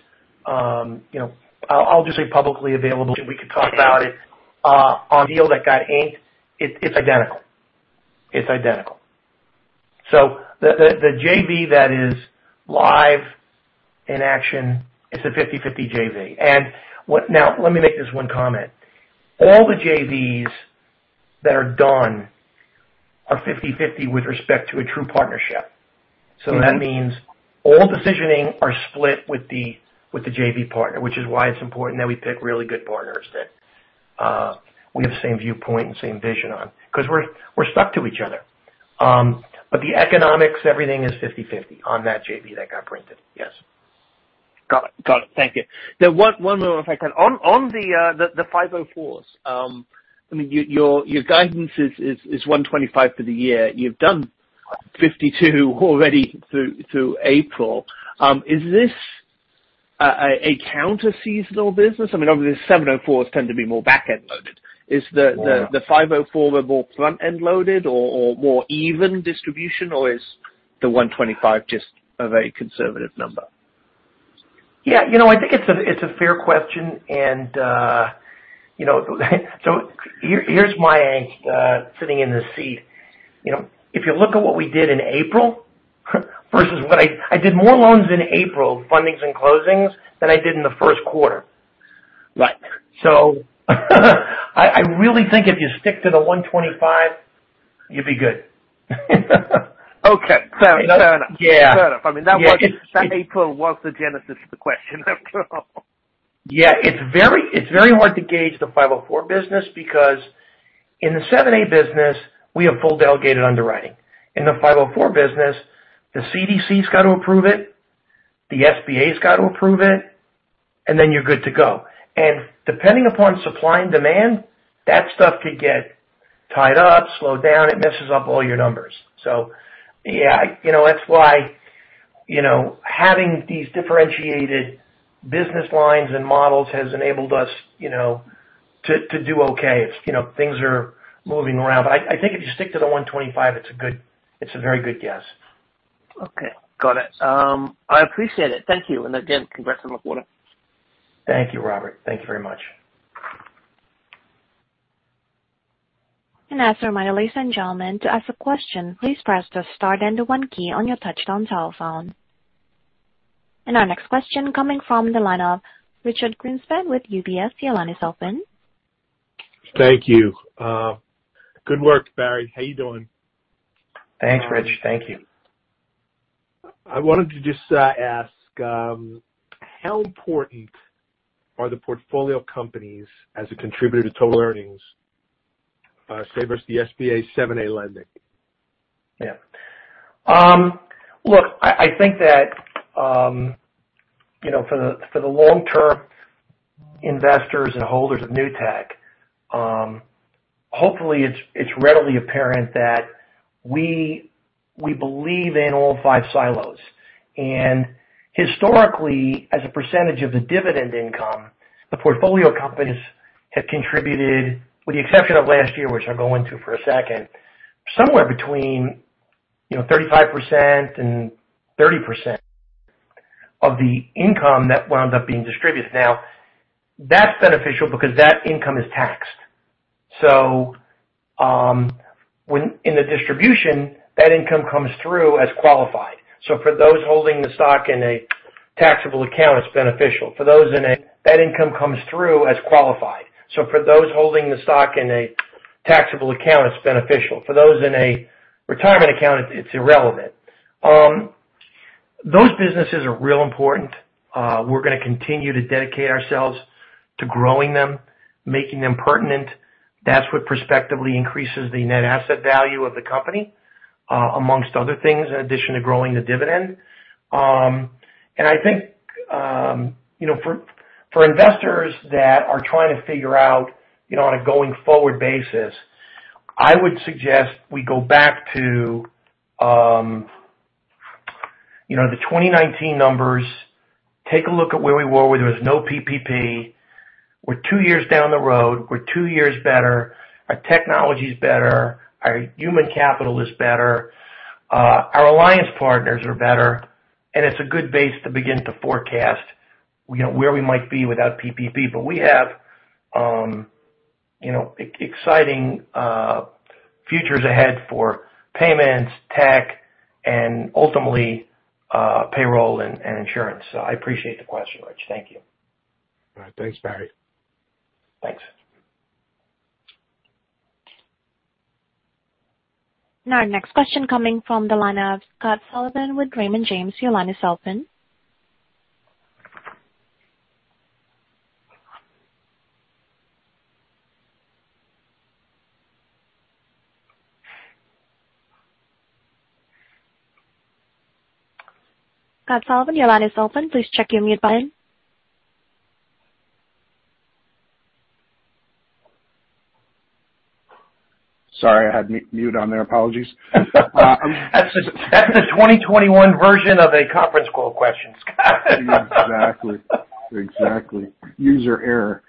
I'll just say publicly available, we could talk about it on deal that got inked. It's identical. The JV that is live in action, it's a 50/50 JV. Let me make this one comment. All the JVs that are done are 50/50 with respect to a true partnership. That means all decisioning are split with the JV partner, which is why it's important that we pick really good partners that we have the same viewpoint and same vision on. We're stuck to each other. The economics, everything is 50/50 on that JV that got printed. Yes. Got it. Thank you. One more, if I can. On the 504s, your guidance is $125 million for the year. You've done $52 million already through April. Is this a counter-seasonal business? 7(a) loans tend to be more back-end loaded. Is the 504 more front-end loaded or more even distribution, or is the $125 million just a very conservative number? Yeah. I think it's a fair question. Here's my angst sitting in this seat. If you look at what we did in April versus I did more loans in April, fundings and closings, than I did in the first quarter. Right. I really think if you stick to the $125 million, you'll be good. Okay. Fair enough. Yeah. Fair enough. That April was the genesis of the question after all. Yeah. It's very hard to gauge the 504 business because in the 7(a) business, we have full delegated underwriting. In the 504 business, the CDC's got to approve it, the SBA's got to approve it, and then you're good to go. Depending upon supply and demand, that stuff could get tied up, slowed down. It messes up all your numbers. Yeah. That's why having these differentiated business lines and models has enabled us to do okay. Things are moving around. I think if you stick to the $125 million, it's a very good guess. Okay. Got it. I appreciate it. Thank you. Again, congrats on the quarter. Thank you, Robert. Thank you very much. As for my ladies and gentlemen, to ask a question, please press the star then the one key on your touch-tone telephone. Our next question coming from the line of Richard Greenspan with UBS. Your line is open. Thank you. Good work, Barry. How are you doing? Thanks, Rich. Thank you. I wanted to just ask, how important are the portfolio companies as a contributor to total earnings, say, versus the SBA 7(a) lending? Yeah. Look, I think that for the long-term investors and holders of Newtek, hopefully it's readily apparent that we believe in all five silos. Historically, as a percentage of the dividend income, the portfolio companies have contributed, with the exception of last year, which I'll go into for a second, somewhere between 35% and 30% of the income that wound up being distributed. That's beneficial because that income is taxed. In the distribution, that income comes through as qualified. For those holding the stock in a taxable account, it's beneficial. For those in a retirement account, it's irrelevant. Those businesses are real important. We're going to continue to dedicate ourselves to growing them, making them pertinent. That's what perspectively increases the net asset value of the company amongst other things, in addition to growing the dividend. I think for investors that are trying to figure out on a going-forward basis, I would suggest we go back to the 2019 numbers. Take a look at where we were where there was no PPP. We're two years down the road. We're two years better. Our technology's better. Our human capital is better. Our alliance partners are better. It's a good base to begin to forecast where we might be without PPP. We have exciting futures ahead for payments, tech, and ultimately payroll and insurance. I appreciate the question, Rich. Thank you. All right. Thanks, Barry. Thanks. Our next question coming from the line of Scott Sullivan with Raymond James. Your line is open. Scott Sullivan, your line is open. Please check your mute button. Sorry, I had mute on there. Apologies. That's the 2021 version of a conference call question, Scott. Exactly. User error.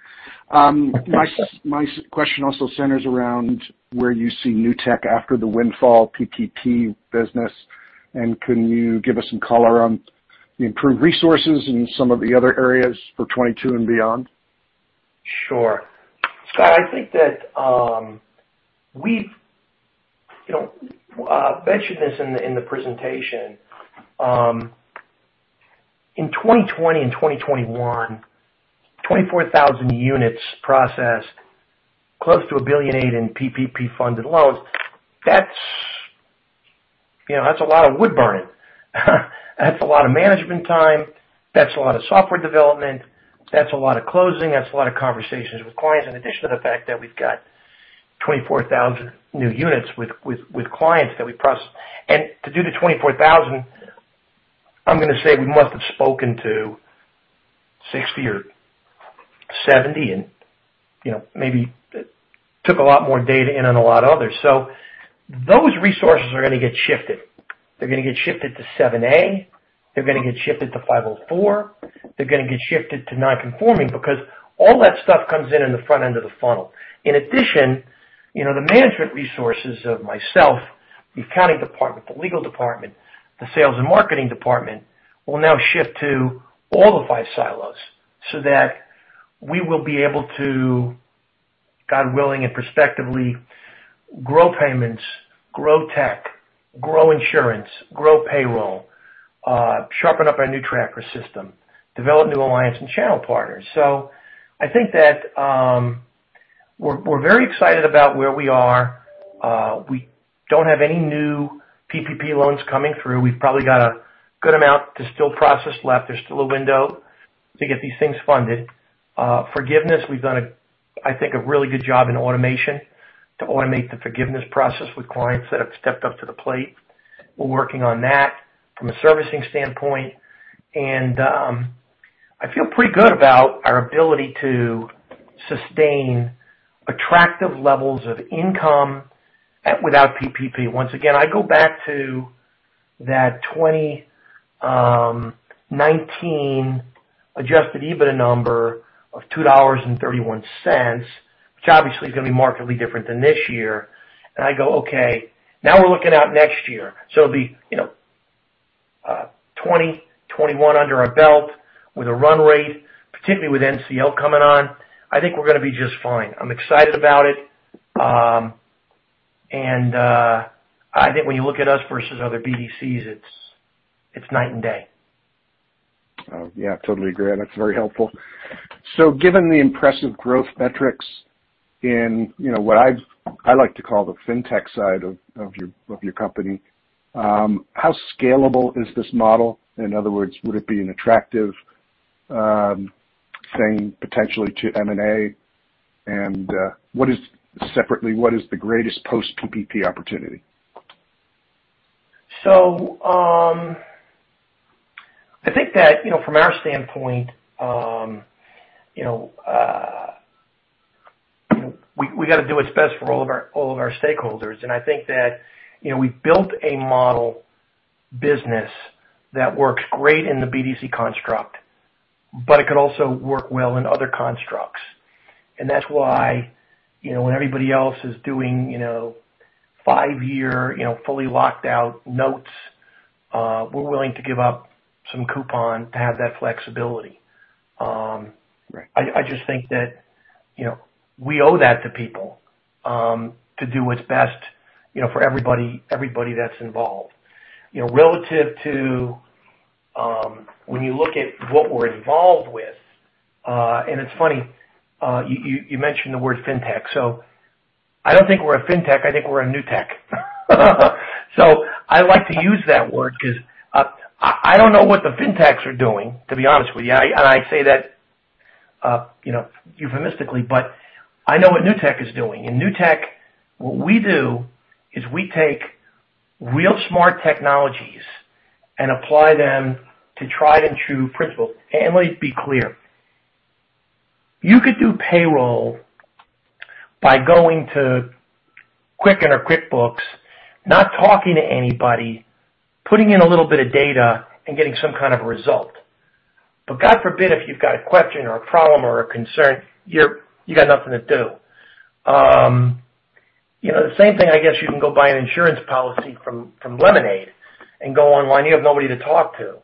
My question also centers around where you see Newtek after the windfall PPP business. Can you give us some color on the improved resources in some of the other areas for 2022 and beyond? Sure. Scott, I think that we've mentioned this in the presentation. In 2020 and 2021, 24,000 units processed close to $1.8 billion in PPP-funded loans. That's a lot of wood burning. That's a lot of management time. That's a lot of software development. That's a lot of closing. That's a lot of conversations with clients, in addition to the fact that we've got 24,000 new units with clients that we process. To do the 24,000, I'm going to say we must have spoken to 60 or 70 and maybe took a lot more data in on a lot of others. Those resources are going to get shifted. They're going to get shifted to 7(a). They're going to get shifted to 504. They're going to get shifted to non-conforming because all that stuff comes in in the front end of the funnel. In addition, the management resources of myself, the accounting department, the legal department, the sales and marketing department will now shift to all the five silos so that we will be able to, God willing and prospectively, grow payments, grow tech, grow insurance, grow payroll, sharpen up our NewTracker system, develop new alliance and channel partners. I think that we're very excited about where we are. We don't have any new PPP loans coming through. We've probably got a good amount to still process left. There's still a window to get these things funded. Forgiveness, we've done, I think, a really good job in automation to automate the forgiveness process with clients that have stepped up to the plate. We're working on that from a servicing standpoint. I feel pretty good about our ability to sustain attractive levels of income without PPP. Once again, I go back to that 2019 adjusted EBIT number of $2.31, which obviously is going to be markedly different than this year. I go, okay, now we're looking out next year. The 2021 under our belt with a run rate, particularly with NCL coming on, I think we're going to be just fine. I'm excited about it. I think when you look at us versus other BDCs, it's night and day. Oh, yeah, totally agree. That's very helpful. Given the impressive growth metrics in what I like to call the fintech side of your company, how scalable is this model? In other words, would it be an attractive thing potentially to M&A? Separately, what is the greatest post-PPP opportunity? I think that from our standpoint, we got to do what's best for all of our stakeholders, and I think that we've built a model business that works great in the BDC construct, but it could also work well in other constructs. That's why, when everybody else is doing five-year, fully locked out notes, we're willing to give up some coupon to have that flexibility. Right. I just think that we owe that to people, to do what's best for everybody that's involved. Relative to when you look at what we're involved with, and it's funny, you mentioned the word fintech. I don't think we're a fintech. I think we're a Newtek. I like to use that word because I don't know what the fintechs are doing, to be honest with you, and I say that euphemistically, but I know what Newtek is doing. In Newtek, what we do is we take real smart technologies and apply them to tried-and-true principles. Let's be clear. You could do payroll by going to Quicken or QuickBooks, not talking to anybody, putting in a little bit of data, and getting some kind of a result. God forbid, if you've got a question or a problem or a concern, you got nothing to do. The same thing, I guess, you can go buy an insurance policy from Lemonade and go online. You have nobody to talk to.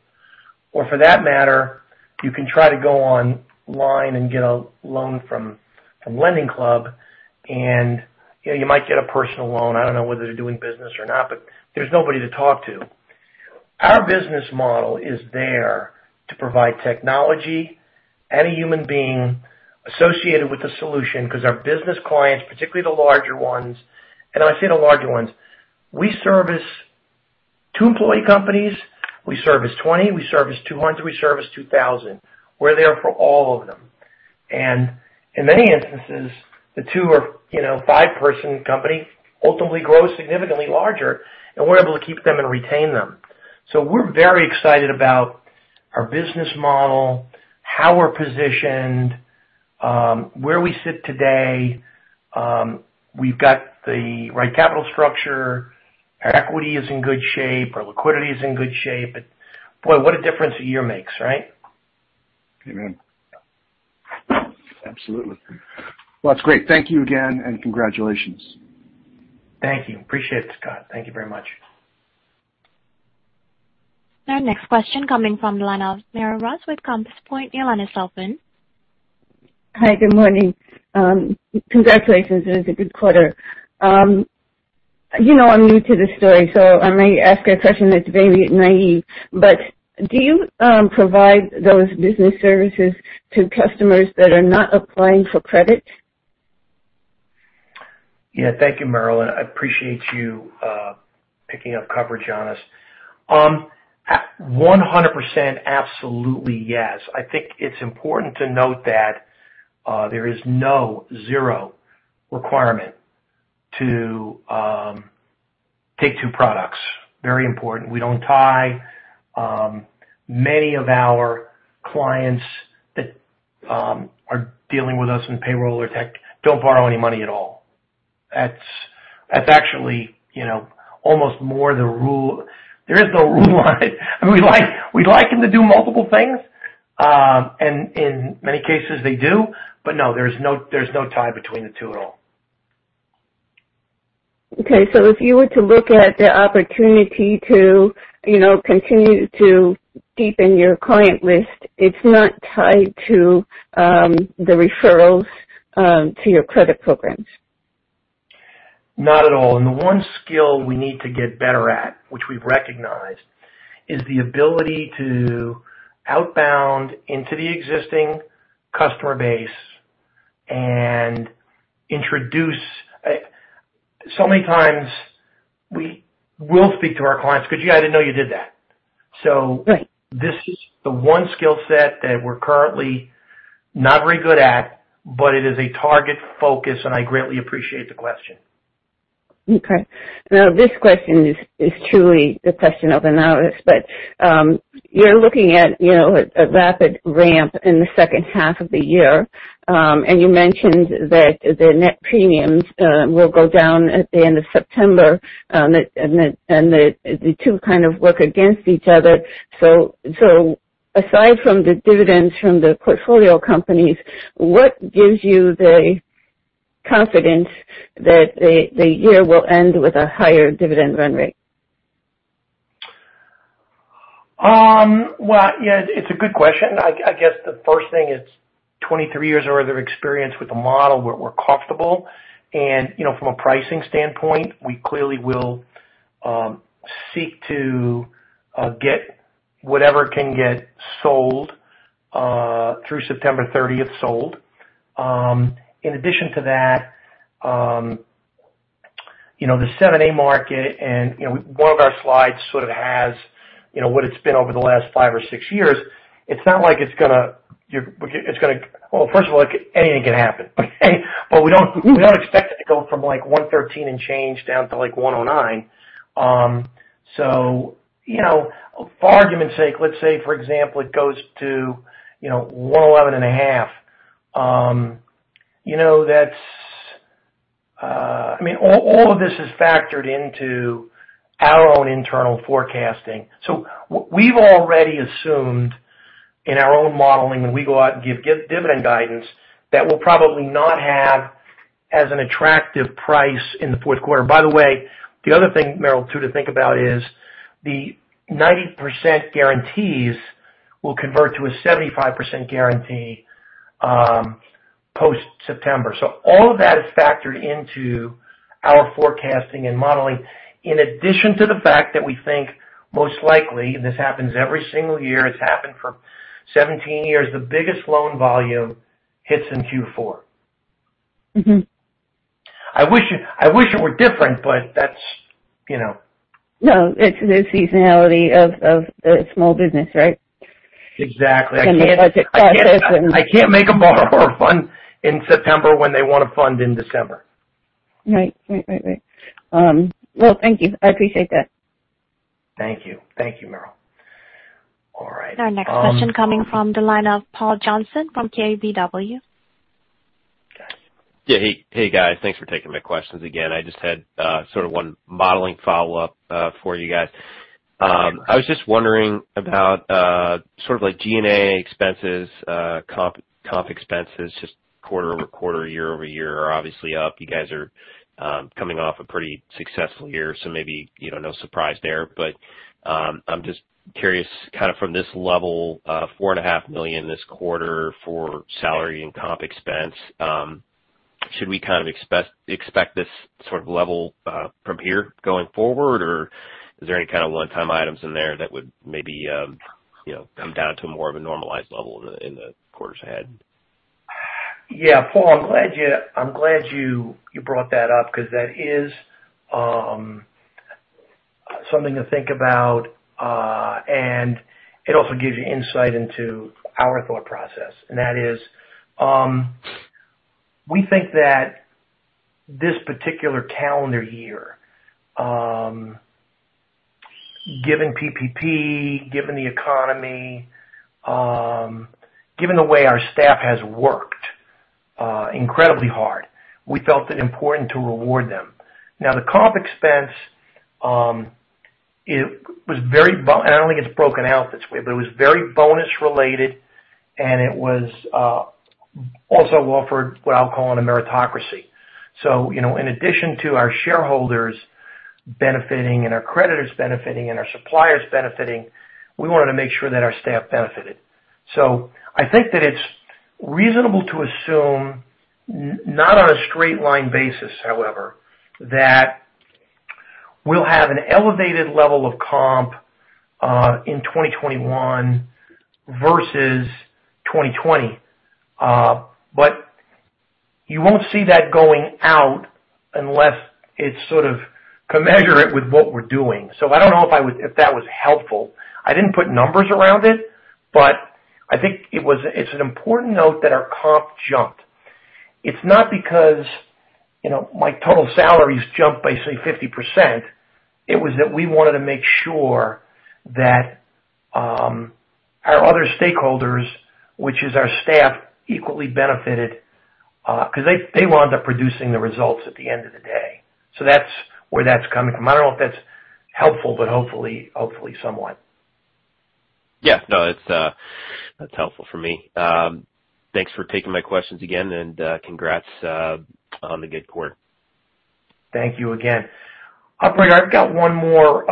For that matter, you can try to go online and get a loan from LendingClub, and you might get a personal loan. I don't know whether they're doing business or not, but there's nobody to talk to. Our business model is there to provide technology and a human being associated with the solution because our business clients, particularly the larger ones, and I say the larger ones. We service two-employee companies, we service 20, we service 200, we service 2,000. We're there for all of them. In many instances, the two or five-person company ultimately grows significantly larger, and we're able to keep them and retain them. We're very excited about our business model, how we're positioned, where we sit today. We've got the right capital structure. Our equity is in good shape. Our liquidity is in good shape. Boy, what a difference a year makes, right? Amen. Absolutely. Well, that's great. Thank you again, and congratulations. Thank you. Appreciate it, Scott. Thank you very much. Our next question coming from the line of Merrill Ross with Compass Point. Your line is open. Hi. Good morning. Congratulations. It was a good quarter. I am new to this story, so I may ask a question that is very naive, but do you provide those business services to customers that are not applying for credit? Yeah. Thank you, Merrill. I appreciate you picking up coverage on us. 100%, absolutely yes. I think it's important to note that there is no, zero, requirement to take two products. Very important. We don't tie. Many of our clients that are dealing with us in payroll or tech don't borrow any money at all. That's actually almost more the rule. There is no rule on it. I mean, we like them to do multiple things. In many cases they do, but no, there's no tie between the two at all. Okay. If you were to look at the opportunity to continue to deepen your client list, it's not tied to the referrals to your credit programs. Not at all. The one skill we need to get better at, which we've recognized, is the ability to outbound into the existing customer base and introduce. Many times we will speak to our clients, "God, I didn't know you did that." Right. This is the one skill set that we're currently not very good at, but it is a target focus, and I greatly appreciate the question. Okay. This question is truly the question of a novice, but you're looking at a rapid ramp in the second half of the year. You mentioned that the net premiums will go down at the end of September, and the two kind of work against each other. Aside from the dividends from the portfolio companies, what gives you the confidence that the year will end with a higher dividend run rate? Well, yeah. It's a good question. I guess the first thing is 23 years or other experience with the model where we're comfortable. From a pricing standpoint, we clearly will seek to get whatever can get sold through September 30th sold. In addition to that, the 7(a) market and one of our slides sort of has what it's been over the last five or six years. First of all, anything can happen. We don't expect it to go from 113 and change down to 109. For argument's sake, let's say, for example, it goes to 111 and a half. All of this is factored into our own internal forecasting. What we've already assumed in our own modeling, when we go out and give dividend guidance, that we'll probably not have as an attractive price in the fourth quarter. The other thing, Merrill, too, to think about is the 90% guarantees will convert to a 75% guarantee post September. All of that is factored into our forecasting and modeling, in addition to the fact that we think most likely, this happens every single year, it's happened for 17 years. The biggest loan volume hits in Q4. I wish it were different, but that's. No, it's the seasonality of small business, right? Exactly. The budget process. I can't make them borrow a fund in September when they want to fund in December. Right. Well, thank you. I appreciate that. Thank you, Merrill. All right. Our next question coming from the line of Paul Johnson from KBW. Yeah. Hey, guys. Thanks for taking my questions again. I just had sort of one modeling follow-up for you guys. I was just wondering about sort of like G&A expenses, comp expenses, just quarter-over-quarter, year-over-year are obviously up. You guys are coming off a pretty successful year, maybe no surprise there. I'm just curious from this level, four and a half million dollars this quarter for salary and comp expense. Should we kind of expect this sort of level from here going forward? Is there any kind of one-time items in there that would maybe come down to more of a normalized level in the quarters ahead? Yeah, Paul, I'm glad you brought that up because that is something to think about. It also gives you insight into our thought process. That is, we think that this particular calendar year given PPP, given the economy, given the way our staff has worked incredibly hard, we felt it important to reward them. Now, the comp expense, I don't think it's broken out this way, but it was very bonus related, and it was also offered what I'll call a meritocracy. In addition to our shareholders benefiting and our creditors benefiting and our suppliers benefiting, we wanted to make sure that our staff benefited. I think that it's reasonable to assume, not on a straight line basis however, that we'll have an elevated level of comp in 2021 versus 2020. You won't see that going out unless it's sort of commensurate with what we're doing. I don't know if that was helpful. I didn't put numbers around it, but I think it's an important note that our comp jumped. It's not because my total salaries jumped by, say, 50%. It was that we wanted to make sure that our other stakeholders, which is our staff, equally benefited because they wound up producing the results at the end of the day. That's where that's coming from. I don't know if that's helpful, but hopefully somewhat. Yeah. No, that's helpful for me. Thanks for taking my questions again, and congrats on the good quarter. Thank you again. Operator, I've got one more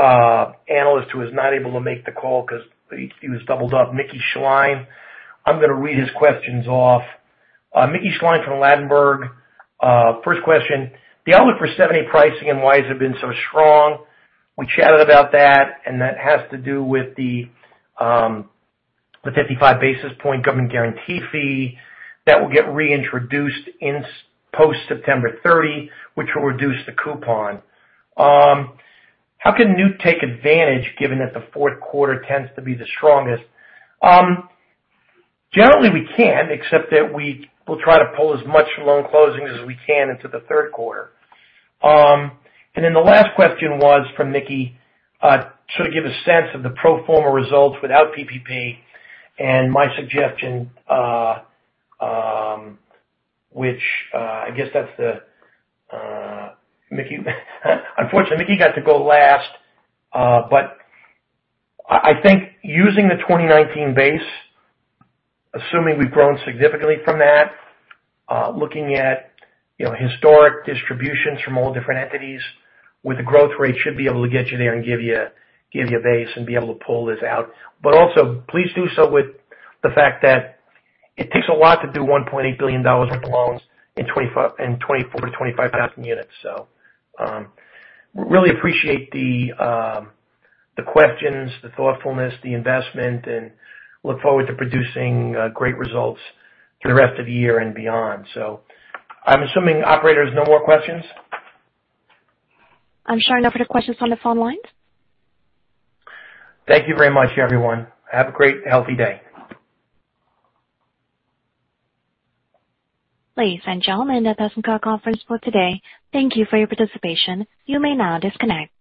analyst who was not able to make the call because he was doubled up. Mickey Schleien. I'm going to read his questions off. Mickey Schleien from Ladenburg. First question, the outlook for 7(a) pricing and why has it been so strong? That has to do with the 55 basis point government guarantee fee that will get reintroduced post September 30, which will reduce the coupon. How can Newtek advantage given that the fourth quarter tends to be the strongest? Generally, we can't, except that we will try to pull as much loan closings as we can into the third quarter. The last question was from Mickey to give a sense of the pro forma results without PPP and my suggestion which I guess that's the, unfortunately Mickey got to go last. I think using the 2019 base, assuming we've grown significantly from that, looking at historic distributions from all different entities with the growth rate should be able to get you there and give you a base and be able to pull this out. Also please do so with the fact that it takes a lot to do $1.8 billion worth of loans in 24,000-25,000 units. Really appreciate the questions, the thoughtfulness, the investment, and look forward to producing great results through the rest of the year and beyond. I'm assuming operator, there's no more questions? I'm showing no further questions on the phone lines. Thank you very much, everyone. Have a great, healthy day. Ladies and gentlemen, that does end our conference for today. Thank you for your participation. You may now disconnect.